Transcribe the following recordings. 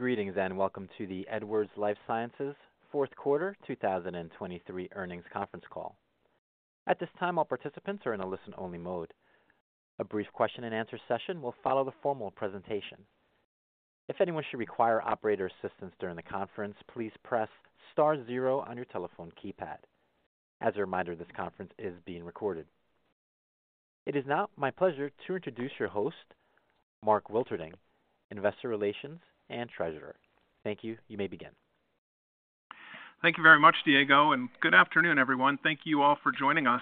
Greetings, and welcome to the Edwards Lifesciences Fourth Quarter 2023 Earnings Conference Call. At this time, all participants are in a listen-only mode. A brief question and answer session will follow the formal presentation. If anyone should require operator assistance during the conference, please press star zero on your telephone keypad. As a reminder, this conference is being recorded. It is now my pleasure to introduce your host, Mark Wilterding, Investor Relations and Treasurer. Thank you. You may begin. Thank you very much, Diego, and good afternoon, everyone. Thank you all for joining us.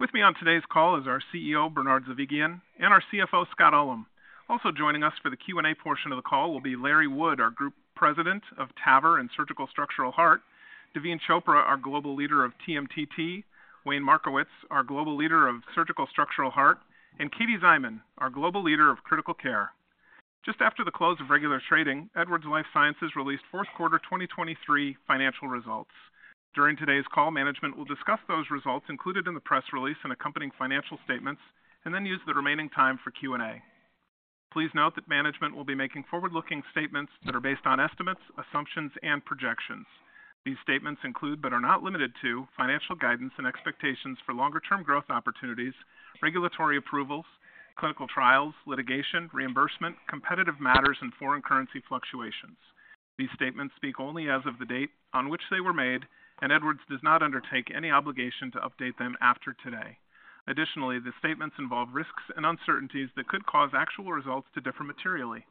With me on today's call is our CEO, Bernard Zovighian, and our CFO, Scott Ullem. Also joining us for the Q&A portion of the call will be Larry Wood, our Group President of TAVR and Surgical Structural Heart, Daveen Chopra, our Global Leader of TMTT, Wayne Markowitz, our Global Leader of Surgical Structural Heart, and Katie Szyman, our Global Leader of Critical Care. Just after the close of regular trading, Edwards Lifesciences released fourth quarter 2023 financial results. During today's call, management will discuss those results included in the press release and accompanying financial statements, and then use the remaining time for Q&A. Please note that management will be making forward-looking statements that are based on estimates, assumptions, and projections. These statements include, but are not limited to, financial guidance and expectations for longer-term growth opportunities, regulatory approvals, clinical trials, litigation, reimbursement, competitive matters, and foreign currency fluctuations. These statements speak only as of the date on which they were made, and Edwards does not undertake any obligation to update them after today. Additionally, the statements involve risks and uncertainties that could cause actual results to differ materially.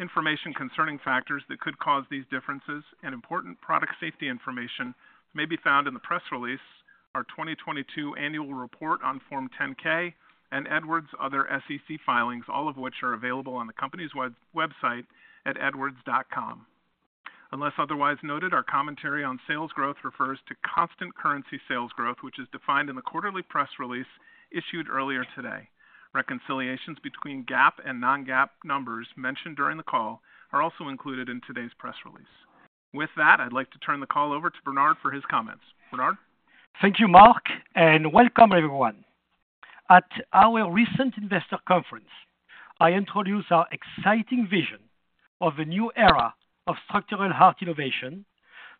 Information concerning factors that could cause these differences and important product safety information may be found in the press release, our 2022 annual report on Form 10-K, and Edwards' other SEC filings, all of which are available on the company's website at edwards.com. Unless otherwise noted, our commentary on sales growth refers to constant currency sales growth, which is defined in the quarterly press release issued earlier today. Reconciliations between GAAP and non-GAAP numbers mentioned during the call are also included in today's press release. With that, I'd like to turn the call over to Bernard for his comments. Bernard? Thank you, Mark, and welcome, everyone. At our recent investor conference, I introduced our exciting vision of a new era of structural heart innovation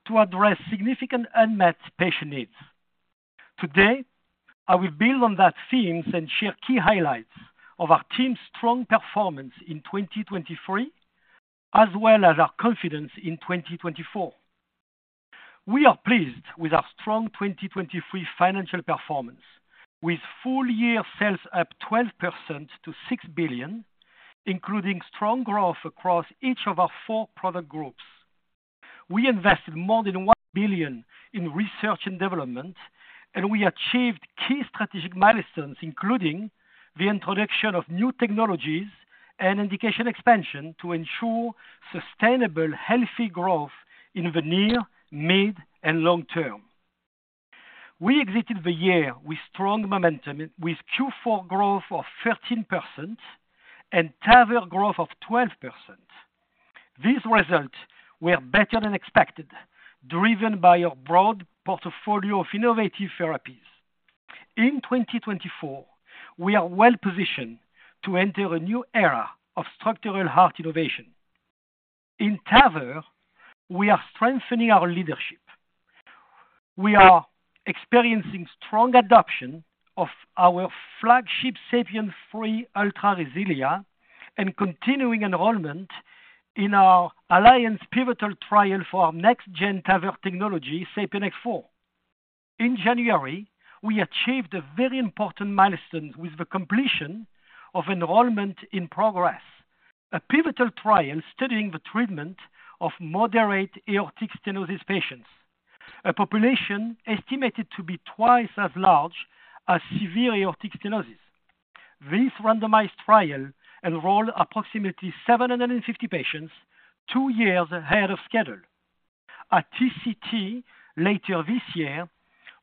to address significant unmet patient needs. Today, I will build on those themes and share key highlights of our team's strong performance in 2023, as well as our confidence in 2024. We are pleased with our strong 2023 financial performance, with full-year sales up 12% to $6 billion, including strong growth across each of our four product groups. We invested more than $1 billion in research and development, and we achieved key strategic milestones, including the introduction of new technologies and indication expansion to ensure sustainable, healthy growth in the near, mid, and long term. We exited the year with strong momentum, with Q4 growth of 13% and TAVR growth of 12%. These results were better than expected, driven by our broad portfolio of innovative therapies. In 2024, we are well positioned to enter a new era of structural heart innovation. In TAVR, we are strengthening our leadership. We are experiencing strong adoption of our flagship SAPIEN 3 Ultra RESILIA and continuing enrollment in our ALLIANCE pivotal trial for our next-gen TAVR technology, SAPIEN X4. In January, we achieved a very important milestone with the completion of enrollment in PROGRESS, a pivotal trial studying the treatment of moderate aortic stenosis patients, a population estimated to be twice as large as severe aortic stenosis. This randomized trial enrolled approximately 750 patients two years ahead of schedule. At TCT later this year,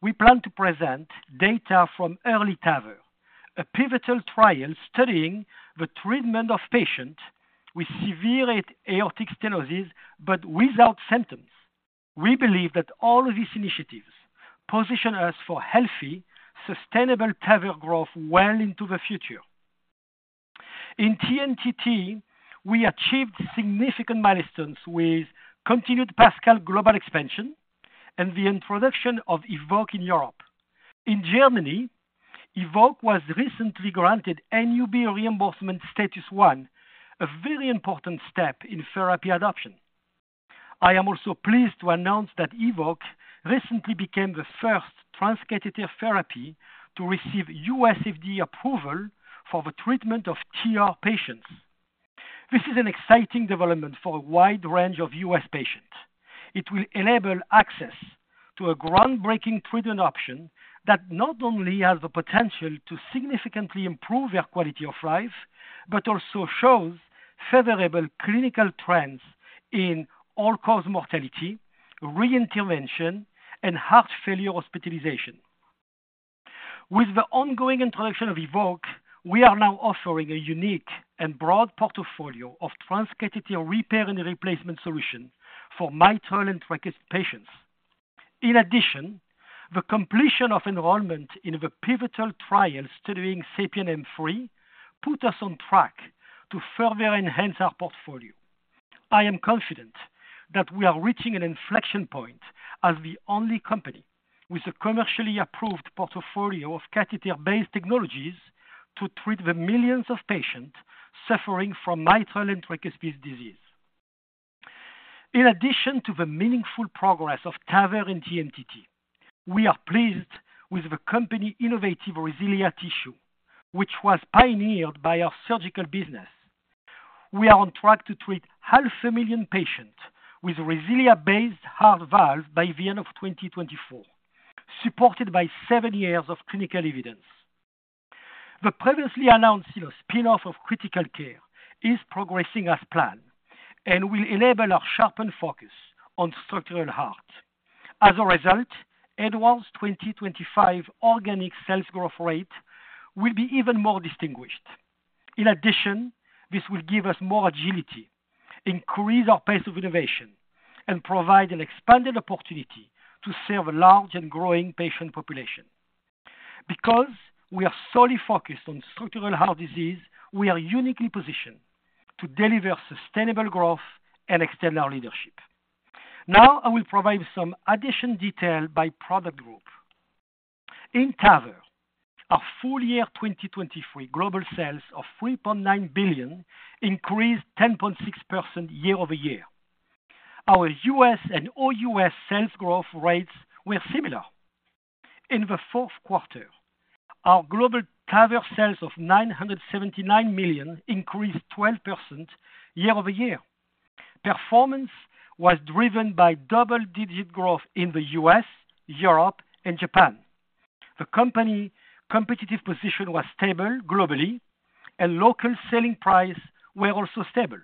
we plan to present data from EARLY TAVR, a pivotal trial studying the treatment of patients with severe aortic stenosis, but without symptoms. We believe that all of these initiatives position us for healthy, sustainable TAVR growth well into the future. In TMTT, we achieved significant milestones with continued PASCAL global expansion and the introduction of EVOQUE in Europe. In Germany, EVOQUE was recently granted NUB reimbursement status 1, a very important step in therapy adoption. I am also pleased to announce that EVOQUE recently became the first transcatheter therapy to receive FDA approval for the treatment of TR patients. This is an exciting development for a wide range of U.S. patients. It will enable access to a groundbreaking treatment option that not only has the potential to significantly improve their quality of life, but also shows favorable clinical trends in all-cause mortality, reintervention, and heart failure hospitalization. With the ongoing introduction of EVOQUE, we are now offering a unique and broad portfolio of transcatheter repair and replacement solutions for mitral and tricuspid patients. In addition, the completion of enrollment in the pivotal trial studying SAPIEN M3 puts us on track to further enhance our portfolio. I am confident that we are reaching an inflection point as the only company with a commercially approved portfolio of catheter-based technologies to treat the millions of patients suffering from mitral and tricuspid disease. In addition to the meaningful progress of TAVR and TMTT, we are pleased with the company's innovative RESILIA tissue, which was pioneered by our Surgical business. We are on track to treat half a million patients with RESILIA-based heart valves by the end of 2024, supported by seven years of clinical evidence. The previously announced spin-off of Critical Care is progressing as planned and will enable our sharpened focus on structural heart. As a result, Edwards' 2025 organic sales growth rate will be even more distinguished. In addition, this will give us more agility, increase our pace of innovation, and provide an expanded opportunity to serve a large and growing patient population. Because we are solely focused on structural heart disease, we are uniquely positioned to deliver sustainable growth and extend our leadership. Now, I will provide some additional detail by product group. In TAVR, our full year 2023 global sales of $3.9 billion increased 10.6% year-over-year. Our U.S. and OUS sales growth rates were similar. In the fourth quarter, our global TAVR sales of $979 million increased 12% year-over-year. Performance was driven by double-digit growth in the U.S., Europe, and Japan. The company's competitive position was stable globally, and local selling prices were also stable.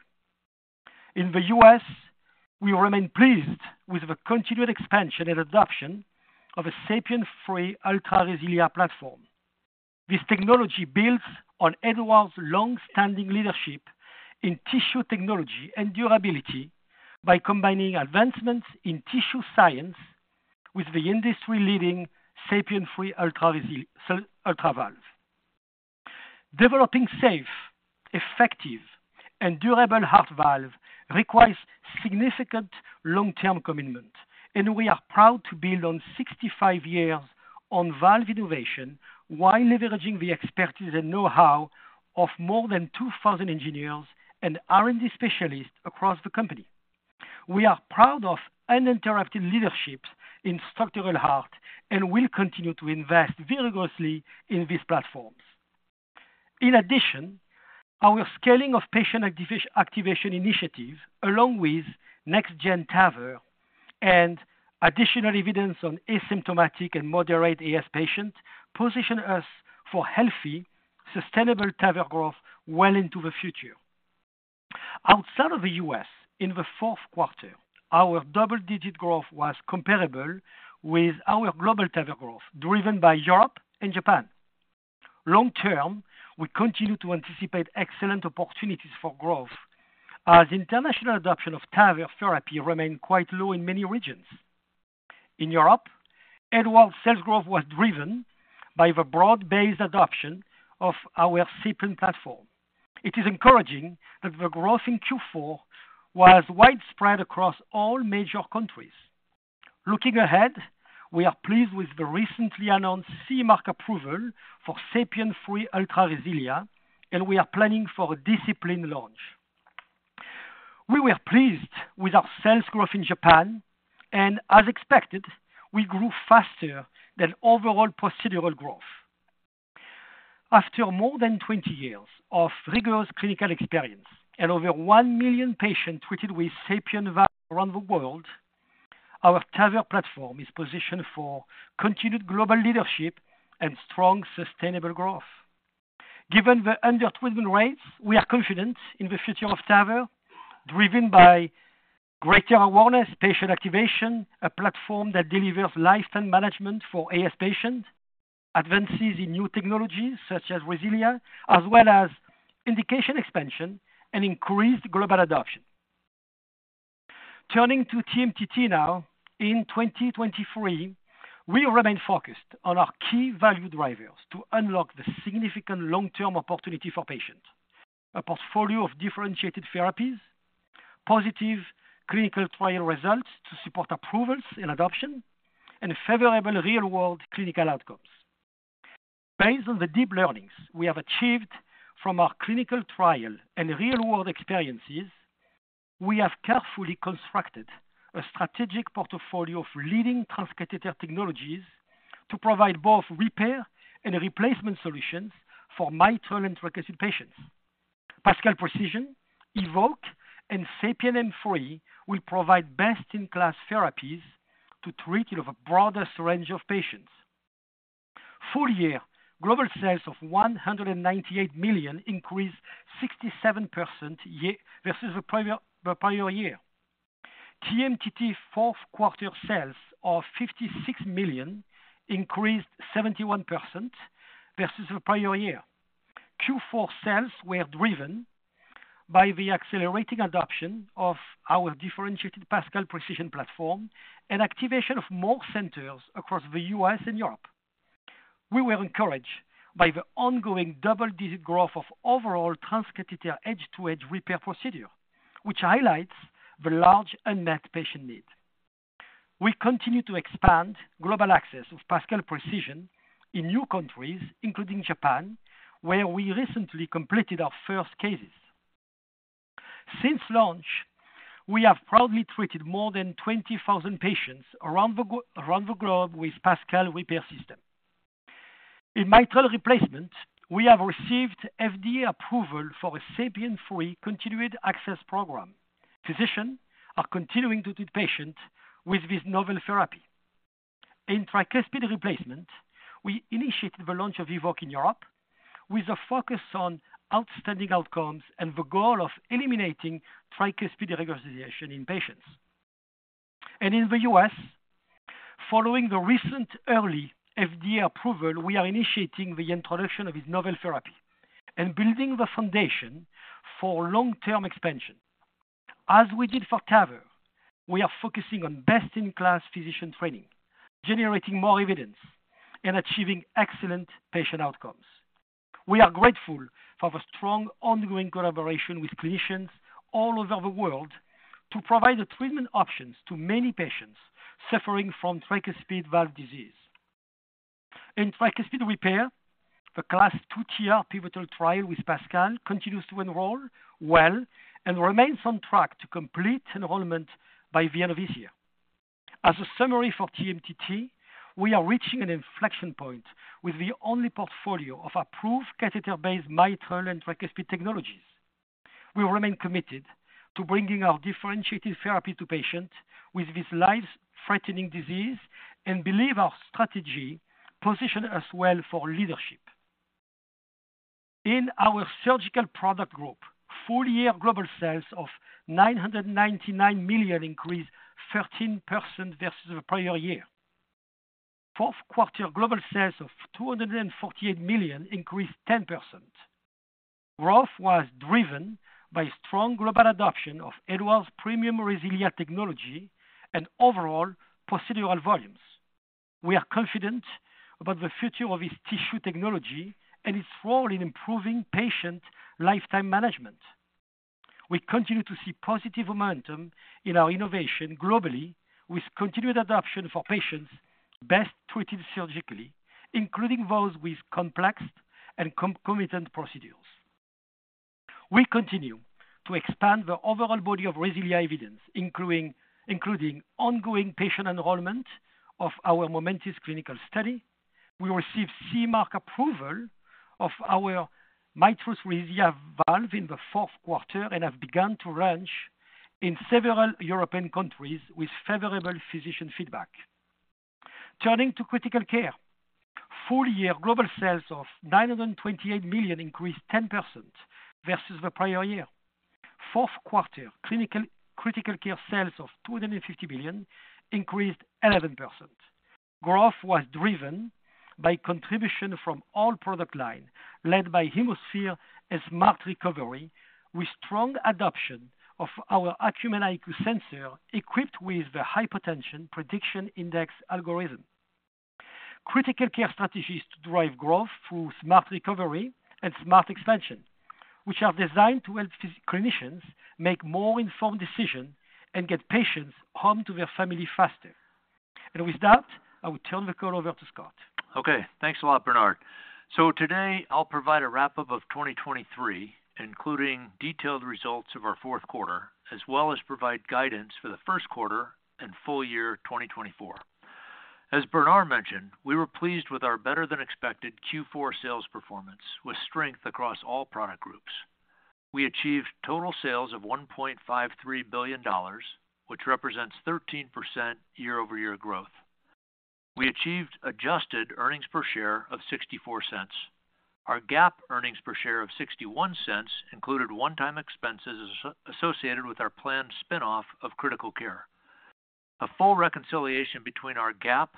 In the U.S., we remain pleased with the continued expansion and adoption of the SAPIEN 3 Ultra RESILIA platform. This technology builds on Edwards' long-standing leadership in tissue technology and durability by combining advancements in tissue science with the industry-leading SAPIEN 3 Ultra RESILIA valve. Developing safe, effective, and durable heart valves requires significant long-term commitment, and we are proud to build on 65 years of valve innovation while leveraging the expertise and know-how of more than 2,000 engineers and R&D specialists across the company. We are proud of uninterrupted leadership in structural heart and will continue to invest vigorously in these platforms. In addition, our scaling of patient activation initiatives, along with next-gen TAVR and additional evidence on asymptomatic and moderate AS patients, position us for healthy, sustainable TAVR growth well into the future. Outside of the U.S., in the fourth quarter, our double-digit growth was comparable with our global TAVR growth, driven by Europe and Japan. Long term, we continue to anticipate excellent opportunities for growth as international adoption of TAVR therapy remain quite low in many regions. In Europe, Edwards' sales growth was driven by the broad-based adoption of our SAPIEN platform. It is encouraging that the growth in Q4 was widespread across all major countries. Looking ahead, we are pleased with the recently announced CE mark approval for SAPIEN 3 Ultra RESILIA, and we are planning for a disciplined launch. We were pleased with our sales growth in Japan, and as expected, we grew faster than overall procedural growth. After more than 20 years of rigorous clinical experience and over 1 million patients treated with SAPIEN valve around the world, our TAVR platform is positioned for continued global leadership and strong, sustainable growth. Given the undertreatment rates, we are confident in the future of TAVR, driven by greater awareness, patient activation, a platform that delivers lifetime management for AS patients, advances in new technologies such as RESILIA, as well as indication expansion and increased global adoption. Turning to TMTT now, in 2023, we remain focused on our key value drivers to unlock the significant long-term opportunity for patients. A portfolio of differentiated therapies, positive clinical trial results to support approvals and adoption, and favorable real-world clinical outcomes. Based on the deep learnings we have achieved from our clinical trial and real-world experiences, we have carefully constructed a strategic portfolio of leading transcatheter technologies to provide both repair and replacement solutions for mitral and tricuspid patients. PASCAL Precision, EVOQUE, and SAPIEN M3 will provide best-in-class therapies to treat the broadest range of patients. Full-year global sales of $198 million increased 67% year-over-year versus the prior year. TMTT fourth quarter sales of $56 million increased 71% versus the prior year. Q4 sales were driven by the accelerating adoption of our differentiated PASCAL Precision platform and activation of more centers across the U.S. and Europe. We were encouraged by the ongoing double-digit growth of overall transcatheter edge-to-edge repair procedure, which highlights the large unmet patient need. We continue to expand global access of PASCAL Precision in new countries, including Japan, where we recently completed our first cases. Since launch, we have proudly treated more than 20,000 patients around the globe with PASCAL repair system. In mitral replacement, we have received FDA approval for a SAPIEN 3 continued access program. Physicians are continuing to treat patients with this novel therapy. In tricuspid replacement, we initiated the launch of EVOQUE in Europe with a focus on outstanding outcomes and the goal of eliminating tricuspid regurgitation in patients. And in the U.S., following the recent early FDA approval, we are initiating the introduction of this novel therapy and building the foundation for long-term expansion. As we did for TAVR, we are focusing on best-in-class physician training, generating more evidence, and achieving excellent patient outcomes. We are grateful for the strong ongoing collaboration with clinicians all over the world to provide the treatment options to many patients suffering from tricuspid valve disease. In tricuspid repair, the CLASP II TR pivotal trial with PASCAL continues to enroll well and remains on track to complete enrollment by the end of this year. As a summary for TMTT, we are reaching an inflection point with the only portfolio of approved catheter-based mitral and tricuspid technologies. We remain committed to bringing our differentiated therapy to patients with this life-threatening disease and believe our strategy positions us well for leadership. In our Surgical product group, full-year global sales of $999 million increased 13% versus the prior year. Fourth quarter global sales of $248 million increased 10%. Growth was driven by strong global adoption of Edwards premium RESILIA technology and overall procedural volumes. We are confident about the future of this tissue technology and its role in improving patient lifetime management. We continue to see positive momentum in our innovation globally, with continued adoption for patients best treated surgically, including those with complex and concomitant procedures. We continue to expand the overall body of RESILIA evidence, including ongoing patient enrollment of our MOMENTIS clinical study. We received CE Mark approval of our mitral RESILIA valve in the fourth quarter and have begun to launch in several European countries with favorable physician feedback. Turning to Critical Care. Full-year global sales of $928 million increased 10% versus the prior year. Fourth quarter Critical Care sales of $250 million increased 11%. Growth was driven by contribution from all product line, led by HemoSphere and SMART Recovery, with strong adoption of our Acumen IQ sensor, equipped with the Hypotension Prediction Index algorithm. Critical Care strategies to drive growth through SMART Recovery and SMART Expansion, which are designed to help clinicians make more informed decisions and get patients home to their family faster. With that, I will turn the call over to Scott. Okay, thanks a lot, Bernard. So today I'll provide a wrap-up of 2023, including detailed results of our fourth quarter, as well as provide guidance for the first quarter and full year 2024. As Bernard mentioned, we were pleased with our better-than-expected Q4 sales performance, with strength across all product groups. We achieved total sales of $1.53 billion, which represents 13% year-over-year growth. We achieved adjusted earnings per share of $0.64. Our GAAP earnings per share of $0.61 included one-time expenses associated with our planned spin-off of Critical Care. A full reconciliation between our GAAP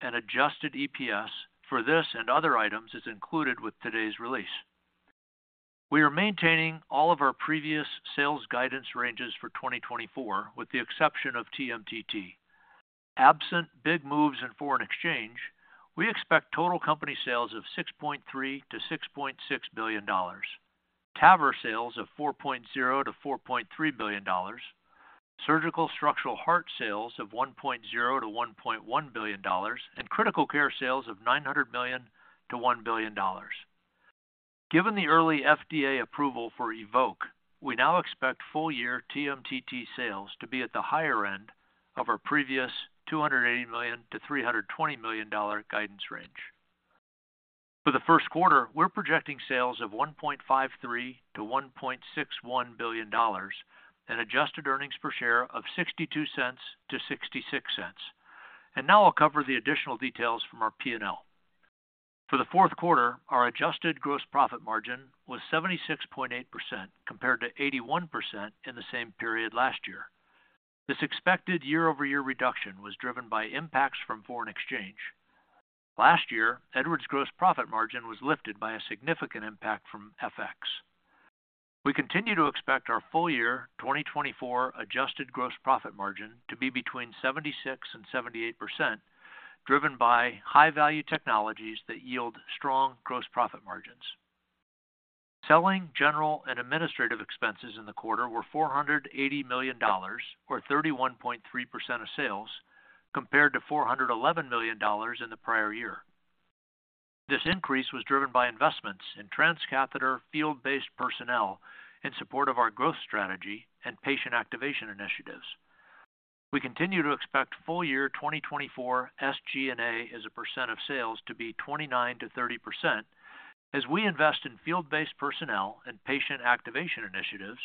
and adjusted EPS for this and other items is included with today's release. We are maintaining all of our previous sales guidance ranges for 2024, with the exception of TMTT. Absent big moves in foreign exchange, we expect total company sales of $6.3 billion-$6.6 billion, TAVR sales of $4.0 billion-$4.3 billion, Surgical structural heart sales of $1.0 billion-$1.1 billion, and Critical Care sales of $900 million-$1 billion. Given the early FDA approval for EVOQUE, we now expect full-year TMTT sales to be at the higher end of our previous $280 million-$320 million guidance range. For the first quarter, we're projecting sales of $1.53 billion-$1.61 billion and adjusted earnings per share of $0.62-$0.66. And now I'll cover the additional details from our P&L. For the fourth quarter, our adjusted gross profit margin was 76.8%, compared to 81% in the same period last year. This expected year-over-year reduction was driven by impacts from foreign exchange. Last year, Edwards' gross profit margin was lifted by a significant impact from FX. We continue to expect our full year 2024 adjusted gross profit margin to be between 76% and 78%, driven by high-value technologies that yield strong gross profit margins. Selling, general, and administrative expenses in the quarter were $480 million, or 31.3% of sales, compared to $411 million in the prior year. This increase was driven by investments in transcatheter field-based personnel in support of our growth strategy and patient activation initiatives. We continue to expect full year 2024 SG&A as a percent of sales to be 29%-30%, as we invest in field-based personnel and patient activation initiatives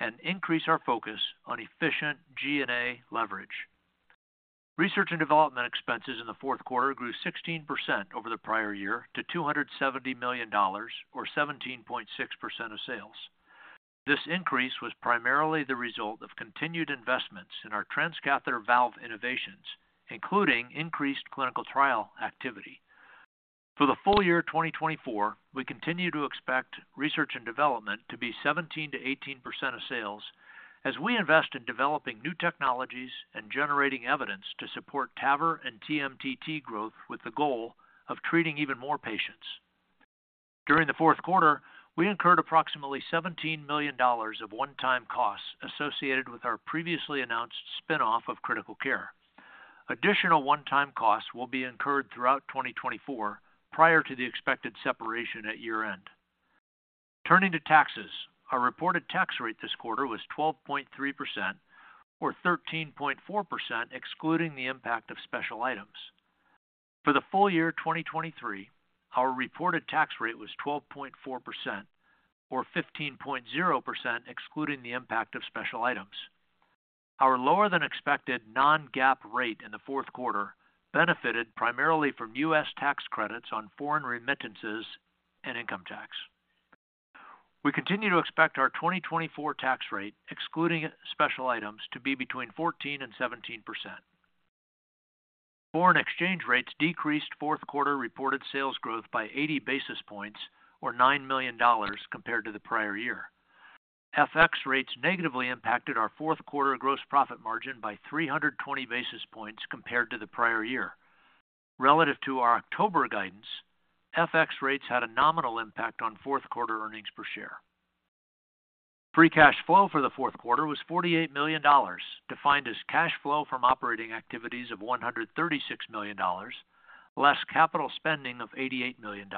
and increase our focus on efficient G&A leverage. Research and development expenses in the fourth quarter grew 16% over the prior year to $270 million, or 17.6% of sales. This increase was primarily the result of continued investments in our transcatheter valve innovations, including increased clinical trial activity. For the full year 2024, we continue to expect research and development to be 17%-18% of sales as we invest in developing new technologies and generating evidence to support TAVR and TMTT growth, with the goal of treating even more patients. During the fourth quarter, we incurred approximately $17 million of one-time costs associated with our previously announced spin-off of Critical Care. Additional one-time costs will be incurred throughout 2024, prior to the expected separation at year-end. Turning to taxes, our reported tax rate this quarter was 12.3%, or 13.4%, excluding the impact of special items. For the full year 2023, our reported tax rate was 12.4%, or 15.0%, excluding the impact of special items. Our lower-than-expected non-GAAP rate in the fourth quarter benefited primarily from U.S. tax credits on foreign remittances and income tax. We continue to expect our 2024 tax rate, excluding special items, to be between 14% and 17%. Foreign exchange rates decreased fourth quarter reported sales growth by 80 basis points, or $9 million compared to the prior year. FX rates negatively impacted our fourth quarter gross profit margin by 320 basis points compared to the prior year. Relative to our October guidance, FX rates had a nominal impact on fourth quarter earnings per share. Free cash flow for the fourth quarter was $48 million, defined as cash flow from operating activities of $136 million, less capital spending of $88 million.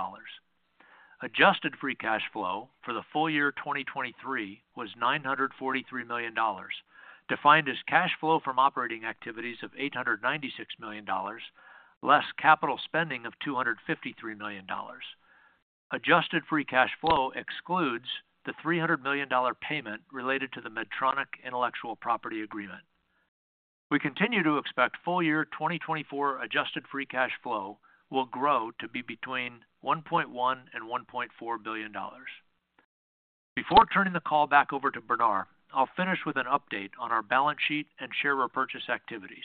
Adjusted free cash flow for the full year 2023 was $943 million, defined as cash flow from operating activities of $896 million, less capital spending of $253 million. Adjusted free cash flow excludes the $300 million payment related to the Medtronic intellectual property agreement. We continue to expect full year 2024 adjusted free cash flow will grow to be between $1.1 billion and $1.4 billion. Before turning the call back over to Bernard, I'll finish with an update on our balance sheet and share repurchase activities.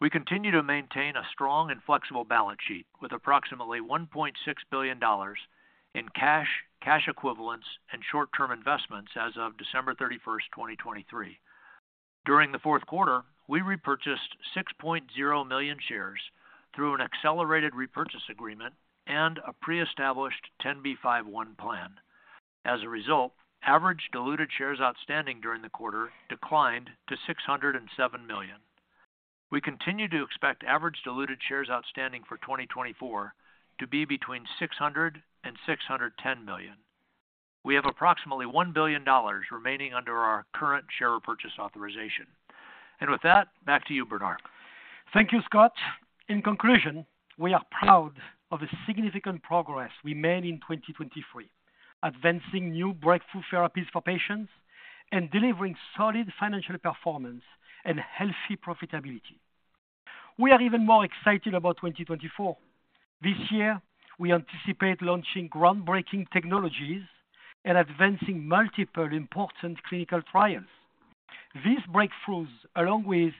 We continue to maintain a strong and flexible balance sheet with approximately $1.6 billion in cash, cash equivalents, and short-term investments as of December 31, 2023. During the fourth quarter, we repurchased 6.0 million shares through an accelerated repurchase agreement and a pre-established 10b5-1 plan. As a result, average diluted shares outstanding during the quarter declined to 607 million. We continue to expect average diluted shares outstanding for 2024 to be between 600 and 610 million. We have approximately $1 billion remaining under our current share repurchase authorization. With that, back to you, Bernard. Thank you, Scott. In conclusion, we are proud of the significant progress we made in 2023, advancing new breakthrough therapies for patients and delivering solid financial performance and healthy profitability. We are even more excited about 2024. This year, we anticipate launching groundbreaking technologies and advancing multiple important clinical trials. These breakthroughs, along with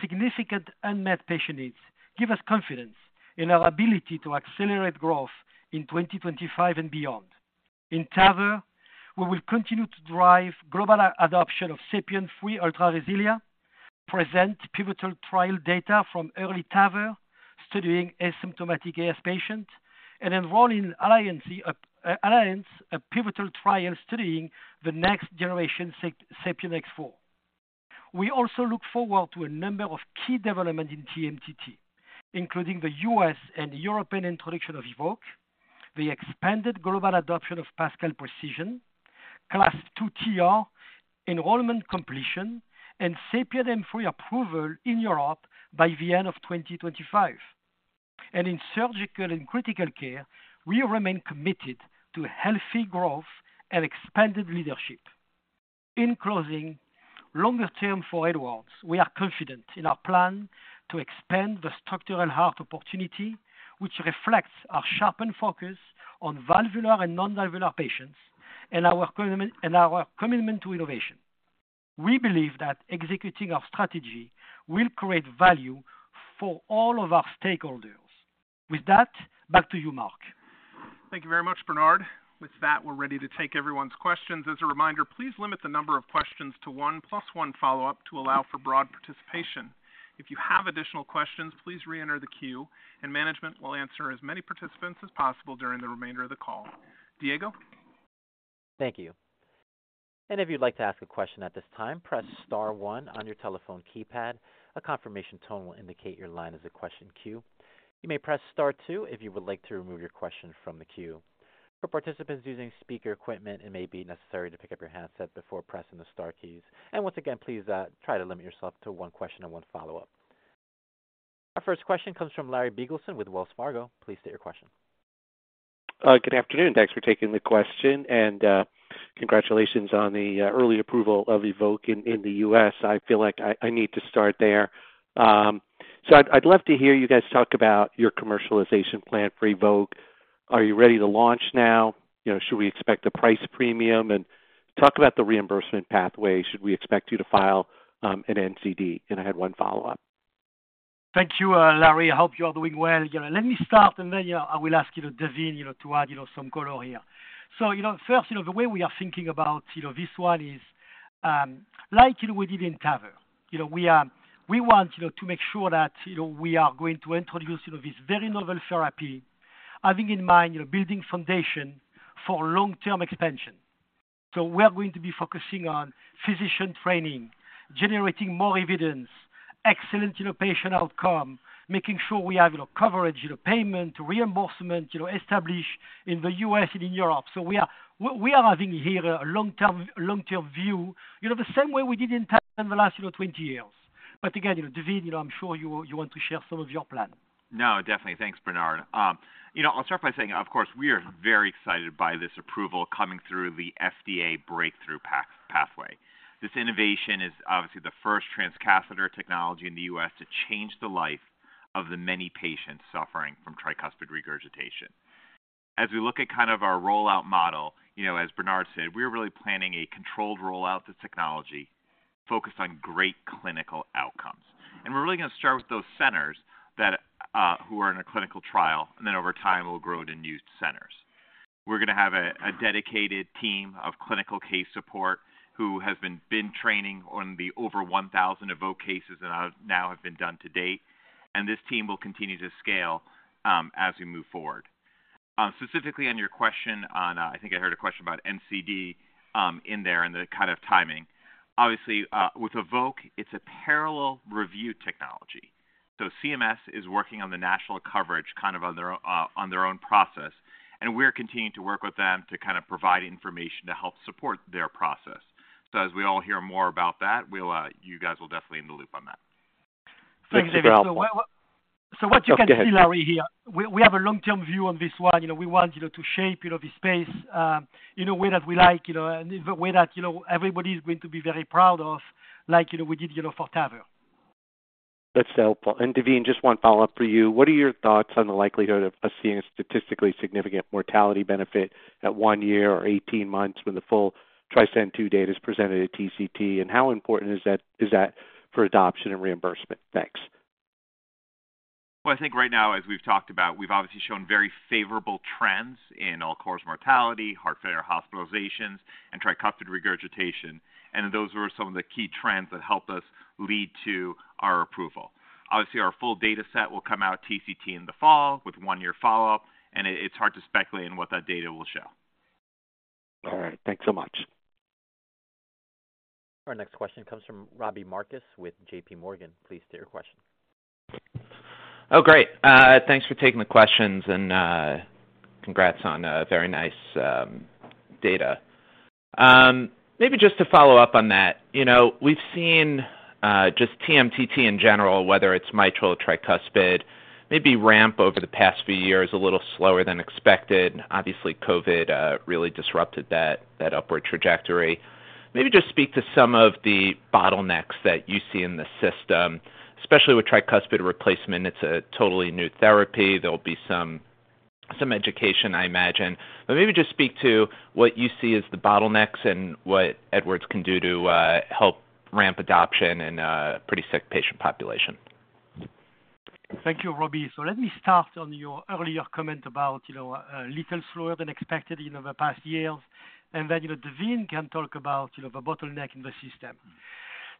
significant unmet patient needs, give us confidence in our ability to accelerate growth in 2025 and beyond. In TAVR, we will continue to drive global adoption of SAPIEN 3 Ultra RESILIA, present pivotal trial data from EARLY TAVR, studying asymptomatic AS patients, and enrolling ALLIANCE, a pivotal trial studying the next-generation SAPIEN X4. We also look forward to a number of key developments in TMTT, including the U.S. and European introduction of EVOQUE, the expanded global adoption of PASCAL Precision, CLASP II TR enrollment completion, and SAPIEN M3 approval in Europe by the end of 2025. And in Surgical and Critical Care, we remain committed to healthy growth and expanded leadership. In closing, longer term for Edwards, we are confident in our plan to expand the structural heart opportunity, which reflects our sharpened focus on valvular and non-valvular patients and our commitment, and our commitment to innovation. We believe that executing our strategy will create value for all of our stakeholders. With that, back to you, Mark. Thank you very much, Bernard. With that, we're ready to take everyone's questions. As a reminder, please limit the number of questions to one plus one follow-up to allow for broad participation. If you have additional questions, please reenter the queue, and management will answer as many participants as possible during the remainder of the call. Diego? Thank you. And if you'd like to ask a question at this time, press star one on your telephone keypad. A confirmation tone will indicate your line is in the question queue. You may press star two if you would like to remove your question from the queue. For participants using speaker equipment, it may be necessary to pick up your handset before pressing the star keys. And once again, please, try to limit yourself to one question and one follow-up. Our first question comes from Larry Biegelsen with Wells Fargo. Please state your question. Good afternoon. Thanks for taking the question, and congratulations on the early approval of EVOQUE in the U.S. I feel like I need to start there. So I'd love to hear you guys talk about your commercialization plan for EVOQUE. Are you ready to launch now? You know, should we expect a price premium? And talk about the reimbursement pathway. Should we expect you to file an NCD? And I had one follow-up. Thank you, Larry. I hope you are doing well. Let me start, and then, yeah, I will ask you Daveen, you know, to add, you know, some color here. So, you know, first, you know, the way we are thinking about, you know, this one is, like, you know, we did in TAVR. You know, we are- we want, you know, to make sure that, you know, we are going to introduce, you know, this very novel therapy, having in mind, you know, building foundation for long-term expansion. So we are going to be focusing on physician training, generating more evidence, excellent patient outcome, making sure we have coverage, payment, reimbursement, you know, established in the U.S. and in Europe. So we are having here a long-term, long-term view, you know, the same way we did in TAVR in the last, you know, 20 years. But again, Daveen, I'm sure you want to share some of your plan. No, definitely. Thanks, Bernard. you know, I'll start by saying, of course, we are very excited by this approval coming through the FDA Breakthrough Pathway. This innovation is obviously the first transcatheter technology in the U.S. to change the life of the many patients suffering from tricuspid regurgitation. As we look at kind of our rollout model, you know, as Bernard said, we're really planning a controlled rollout to technology focused on great clinical outcomes. And we're really going to start with those centers that, who are in a clinical trial, and then over time, we'll grow it in new centers. We're going to have a dedicated team of clinical case support who has been training on the over 1,000 EVOQUE cases that now have been done to date, and this team will continue to scale, as we move forward. Specifically on your question on, I think I heard a question about NCD in there and the kind of timing. Obviously, with EVOQUE, it's a parallel review technology, so CMS is working on the national coverage, kind of on their, on their own process, and we're continuing to work with them to kind of provide information to help support their process. So as we all hear more about that, we'll, you guys will definitely in the loop on that. Thanks, David. So what you can see, Larry, here, we, we have a long-term view on this one. You know, we want you to shape, you know, this space, in a way that we like, you know, and in the way that, you know, everybody is going to be very proud of, like, you know, we did, you know, for TAVR. That's helpful. And Daveen, just one follow-up for you. What are your thoughts on the likelihood of us seeing a statistically significant mortality benefit at 1 year or 18 months when the full TRISCEND II data is presented at TCT? And how important is that, is that for adoption and reimbursement? Thanks. Well, I think right now, as we've talked about, we've obviously shown very favorable trends in all-cause mortality, heart failure, hospitalizations, and tricuspid regurgitation, and those were some of the key trends that helped us lead to our approval. Obviously, our full data set will come out TCT in the fall with one-year follow-up, and it's hard to speculate on what that data will show. All right. Thanks so much. Our next question comes from Robbie Marcus with JP Morgan. Please state your question. Oh, great. Thanks for taking the questions and, congrats on a very nice, data. Maybe just to follow up on that, you know, we've seen, just TMTT in general, whether it's mitral, tricuspid, maybe ramp over the past few years, a little slower than expected. Obviously, COVID, really disrupted that, that upward trajectory. Maybe just speak to some of the bottlenecks that you see in the system, especially with tricuspid replacement. It's a totally new therapy. There'll be some education, I imagine. But maybe just speak to what you see as the bottlenecks and what Edwards can do to, help ramp adoption in a pretty sick patient population. Thank you, Robbie. So let me start on your earlier comment about, you know, a little slower than expected in the past years, and then, you know, Daveen can talk about, you know, the bottleneck in the system.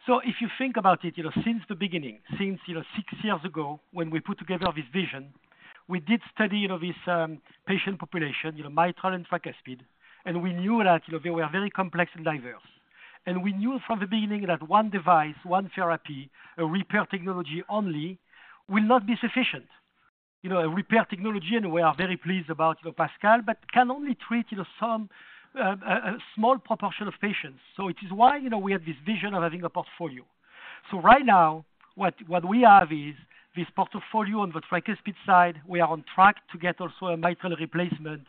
So if you think about it, you know, since the beginning, since, you know, six years ago, when we put together this vision, we did study, you know, this patient population, you know, mitral and tricuspid, and we knew that they were very complex and diverse. And we knew from the beginning that one device, one therapy, a repair technology only, will not be sufficient. You know, a repair technology, and we are very pleased about the PASCAL, but can only treat, you know, some, a small proportion of patients. So it is why, you know, we have this vision of having a portfolio. So right now, what we have is this portfolio on the tricuspid side. We are on track to get also a mitral replacement.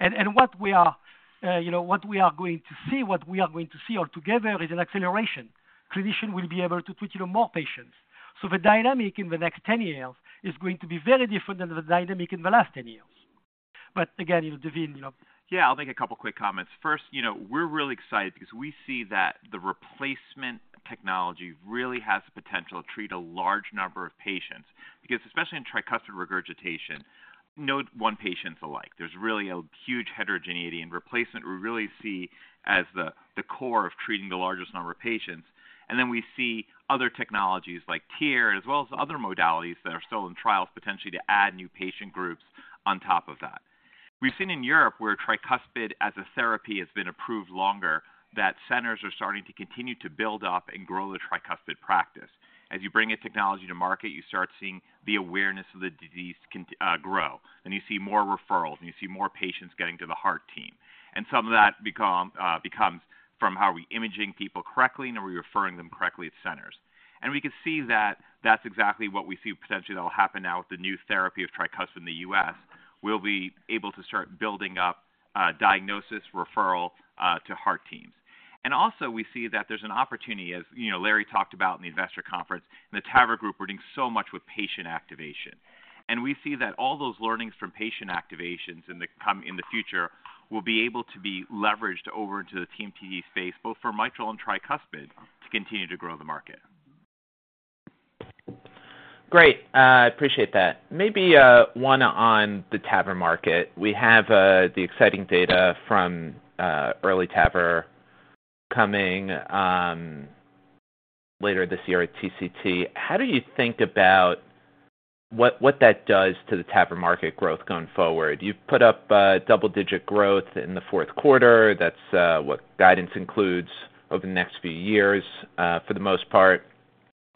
And what we are, you know, what we are going to see altogether is an acceleration. Clinician will be able to treat, you know, more patients. So the dynamic in the next 10 years is going to be very different than the dynamic in the last 10 years.... But again, you know, Daveen, you know. Yeah, I'll make a couple quick comments. First, you know, we're really excited because we see that the replacement technology really has the potential to treat a large number of patients, because especially in tricuspid regurgitation, no one patient's alike. There's really a huge heterogeneity in replacement. We really see as the core of treating the largest number of patients. And then we see other technologies like TEER, as well as other modalities that are still in trials, potentially to add new patient groups on top of that. We've seen in Europe, where tricuspid as a therapy has been approved longer, that centers are starting to continue to build up and grow the tricuspid practice. As you bring a technology to market, you start seeing the awareness of the disease grow, and you see more referrals, and you see more patients getting to the heart team. Some of that becomes from how are we imaging people correctly, and are we referring them correctly at centers? We can see that that's exactly what we see potentially that will happen now with the new therapy of tricuspid in the U.S. We'll be able to start building up diagnosis, referral to heart teams. Also, we see that there's an opportunity, as you know, Larry talked about in the investor conference, in the TAVR group, we're doing so much with patient activation. And we see that all those learnings from patient activations in the future will be able to be leveraged over into the TMTT space, both for mitral and tricuspid, to continue to grow the market. Great, I appreciate that. Maybe one on the TAVR market. We have the exciting data from EARLY TAVR coming later this year at TCT. How do you think about what that does to the TAVR market growth going forward? You've put up double-digit growth in the fourth quarter. That's what guidance includes over the next few years, for the most part.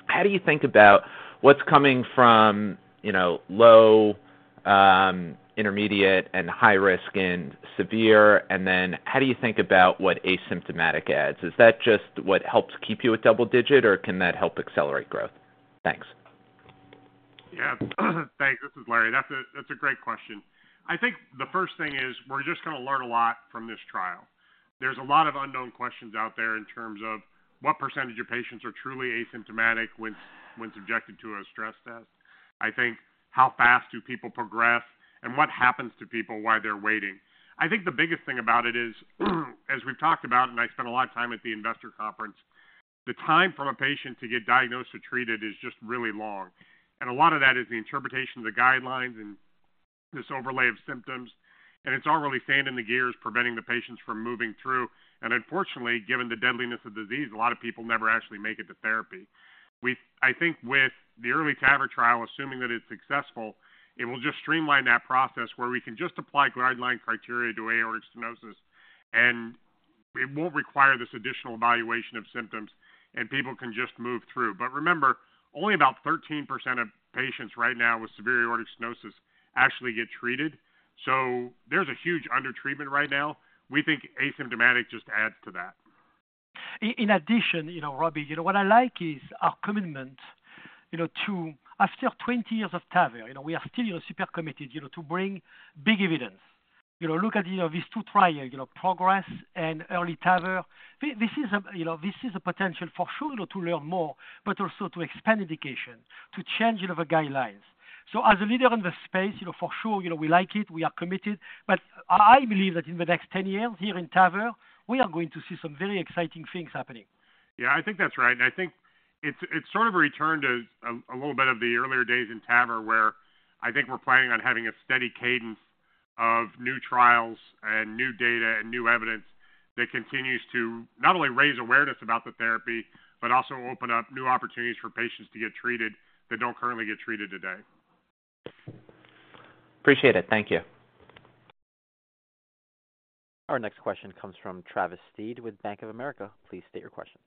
How do you think about what's coming from, you know, low, intermediate and high risk and severe? And then how do you think about what asymptomatic adds? Is that just what helps keep you at double digit, or can that help accelerate growth? Thanks. Yeah. Thanks. This is Larry. That's a, that's a great question. I think the first thing is we're just gonna learn a lot from this trial. There's a lot of unknown questions out there in terms of what percentage of patients are truly asymptomatic when, when subjected to a stress test. I think, how fast do people progress? And what happens to people while they're waiting? I think the biggest thing about it is, as we've talked about, and I spent a lot of time at the investor conference, the time from a patient to get diagnosed or treated is just really long. And a lot of that is the interpretation of the guidelines and this overlay of symptoms, and it's all really sand in the gears, preventing the patients from moving through. Unfortunately, given the deadliness of the disease, a lot of people never actually make it to therapy. I think with the EARLY TAVR trial, assuming that it's successful, it will just streamline that process where we can just apply guideline criteria to aortic stenosis, and it won't require this additional evaluation of symptoms, and people can just move through. Remember, only about 13% of patients right now with severe aortic stenosis actually get treated. There's a huge undertreatment right now. We think asymptomatic just adds to that. In addition, you know, Robbie, you know, what I like is our commitment, you know, to after 20 years of TAVR, you know, we are still, you know, super committed, you know, to bring big evidence. You know, look at, you know, these two trials, you know, PROGRESS and EARLY TAVR. This is a potential for sure, you know, to learn more, but also to expand education, to change, you know, the guidelines. So as a leader in the space, you know, for sure, you know, we like it, we are committed. But I believe that in the next 10 years here in TAVR, we are going to see some very exciting things happening. Yeah, I think that's right. And I think it's sort of a return to a little bit of the earlier days in TAVR, where I think we're planning on having a steady cadence of new trials and new data and new evidence that continues to not only raise awareness about the therapy, but also open up new opportunities for patients to get treated that don't currently get treated today. Appreciate it. Thank you. Our next question comes from Travis Steed with Bank of America. Please state your question.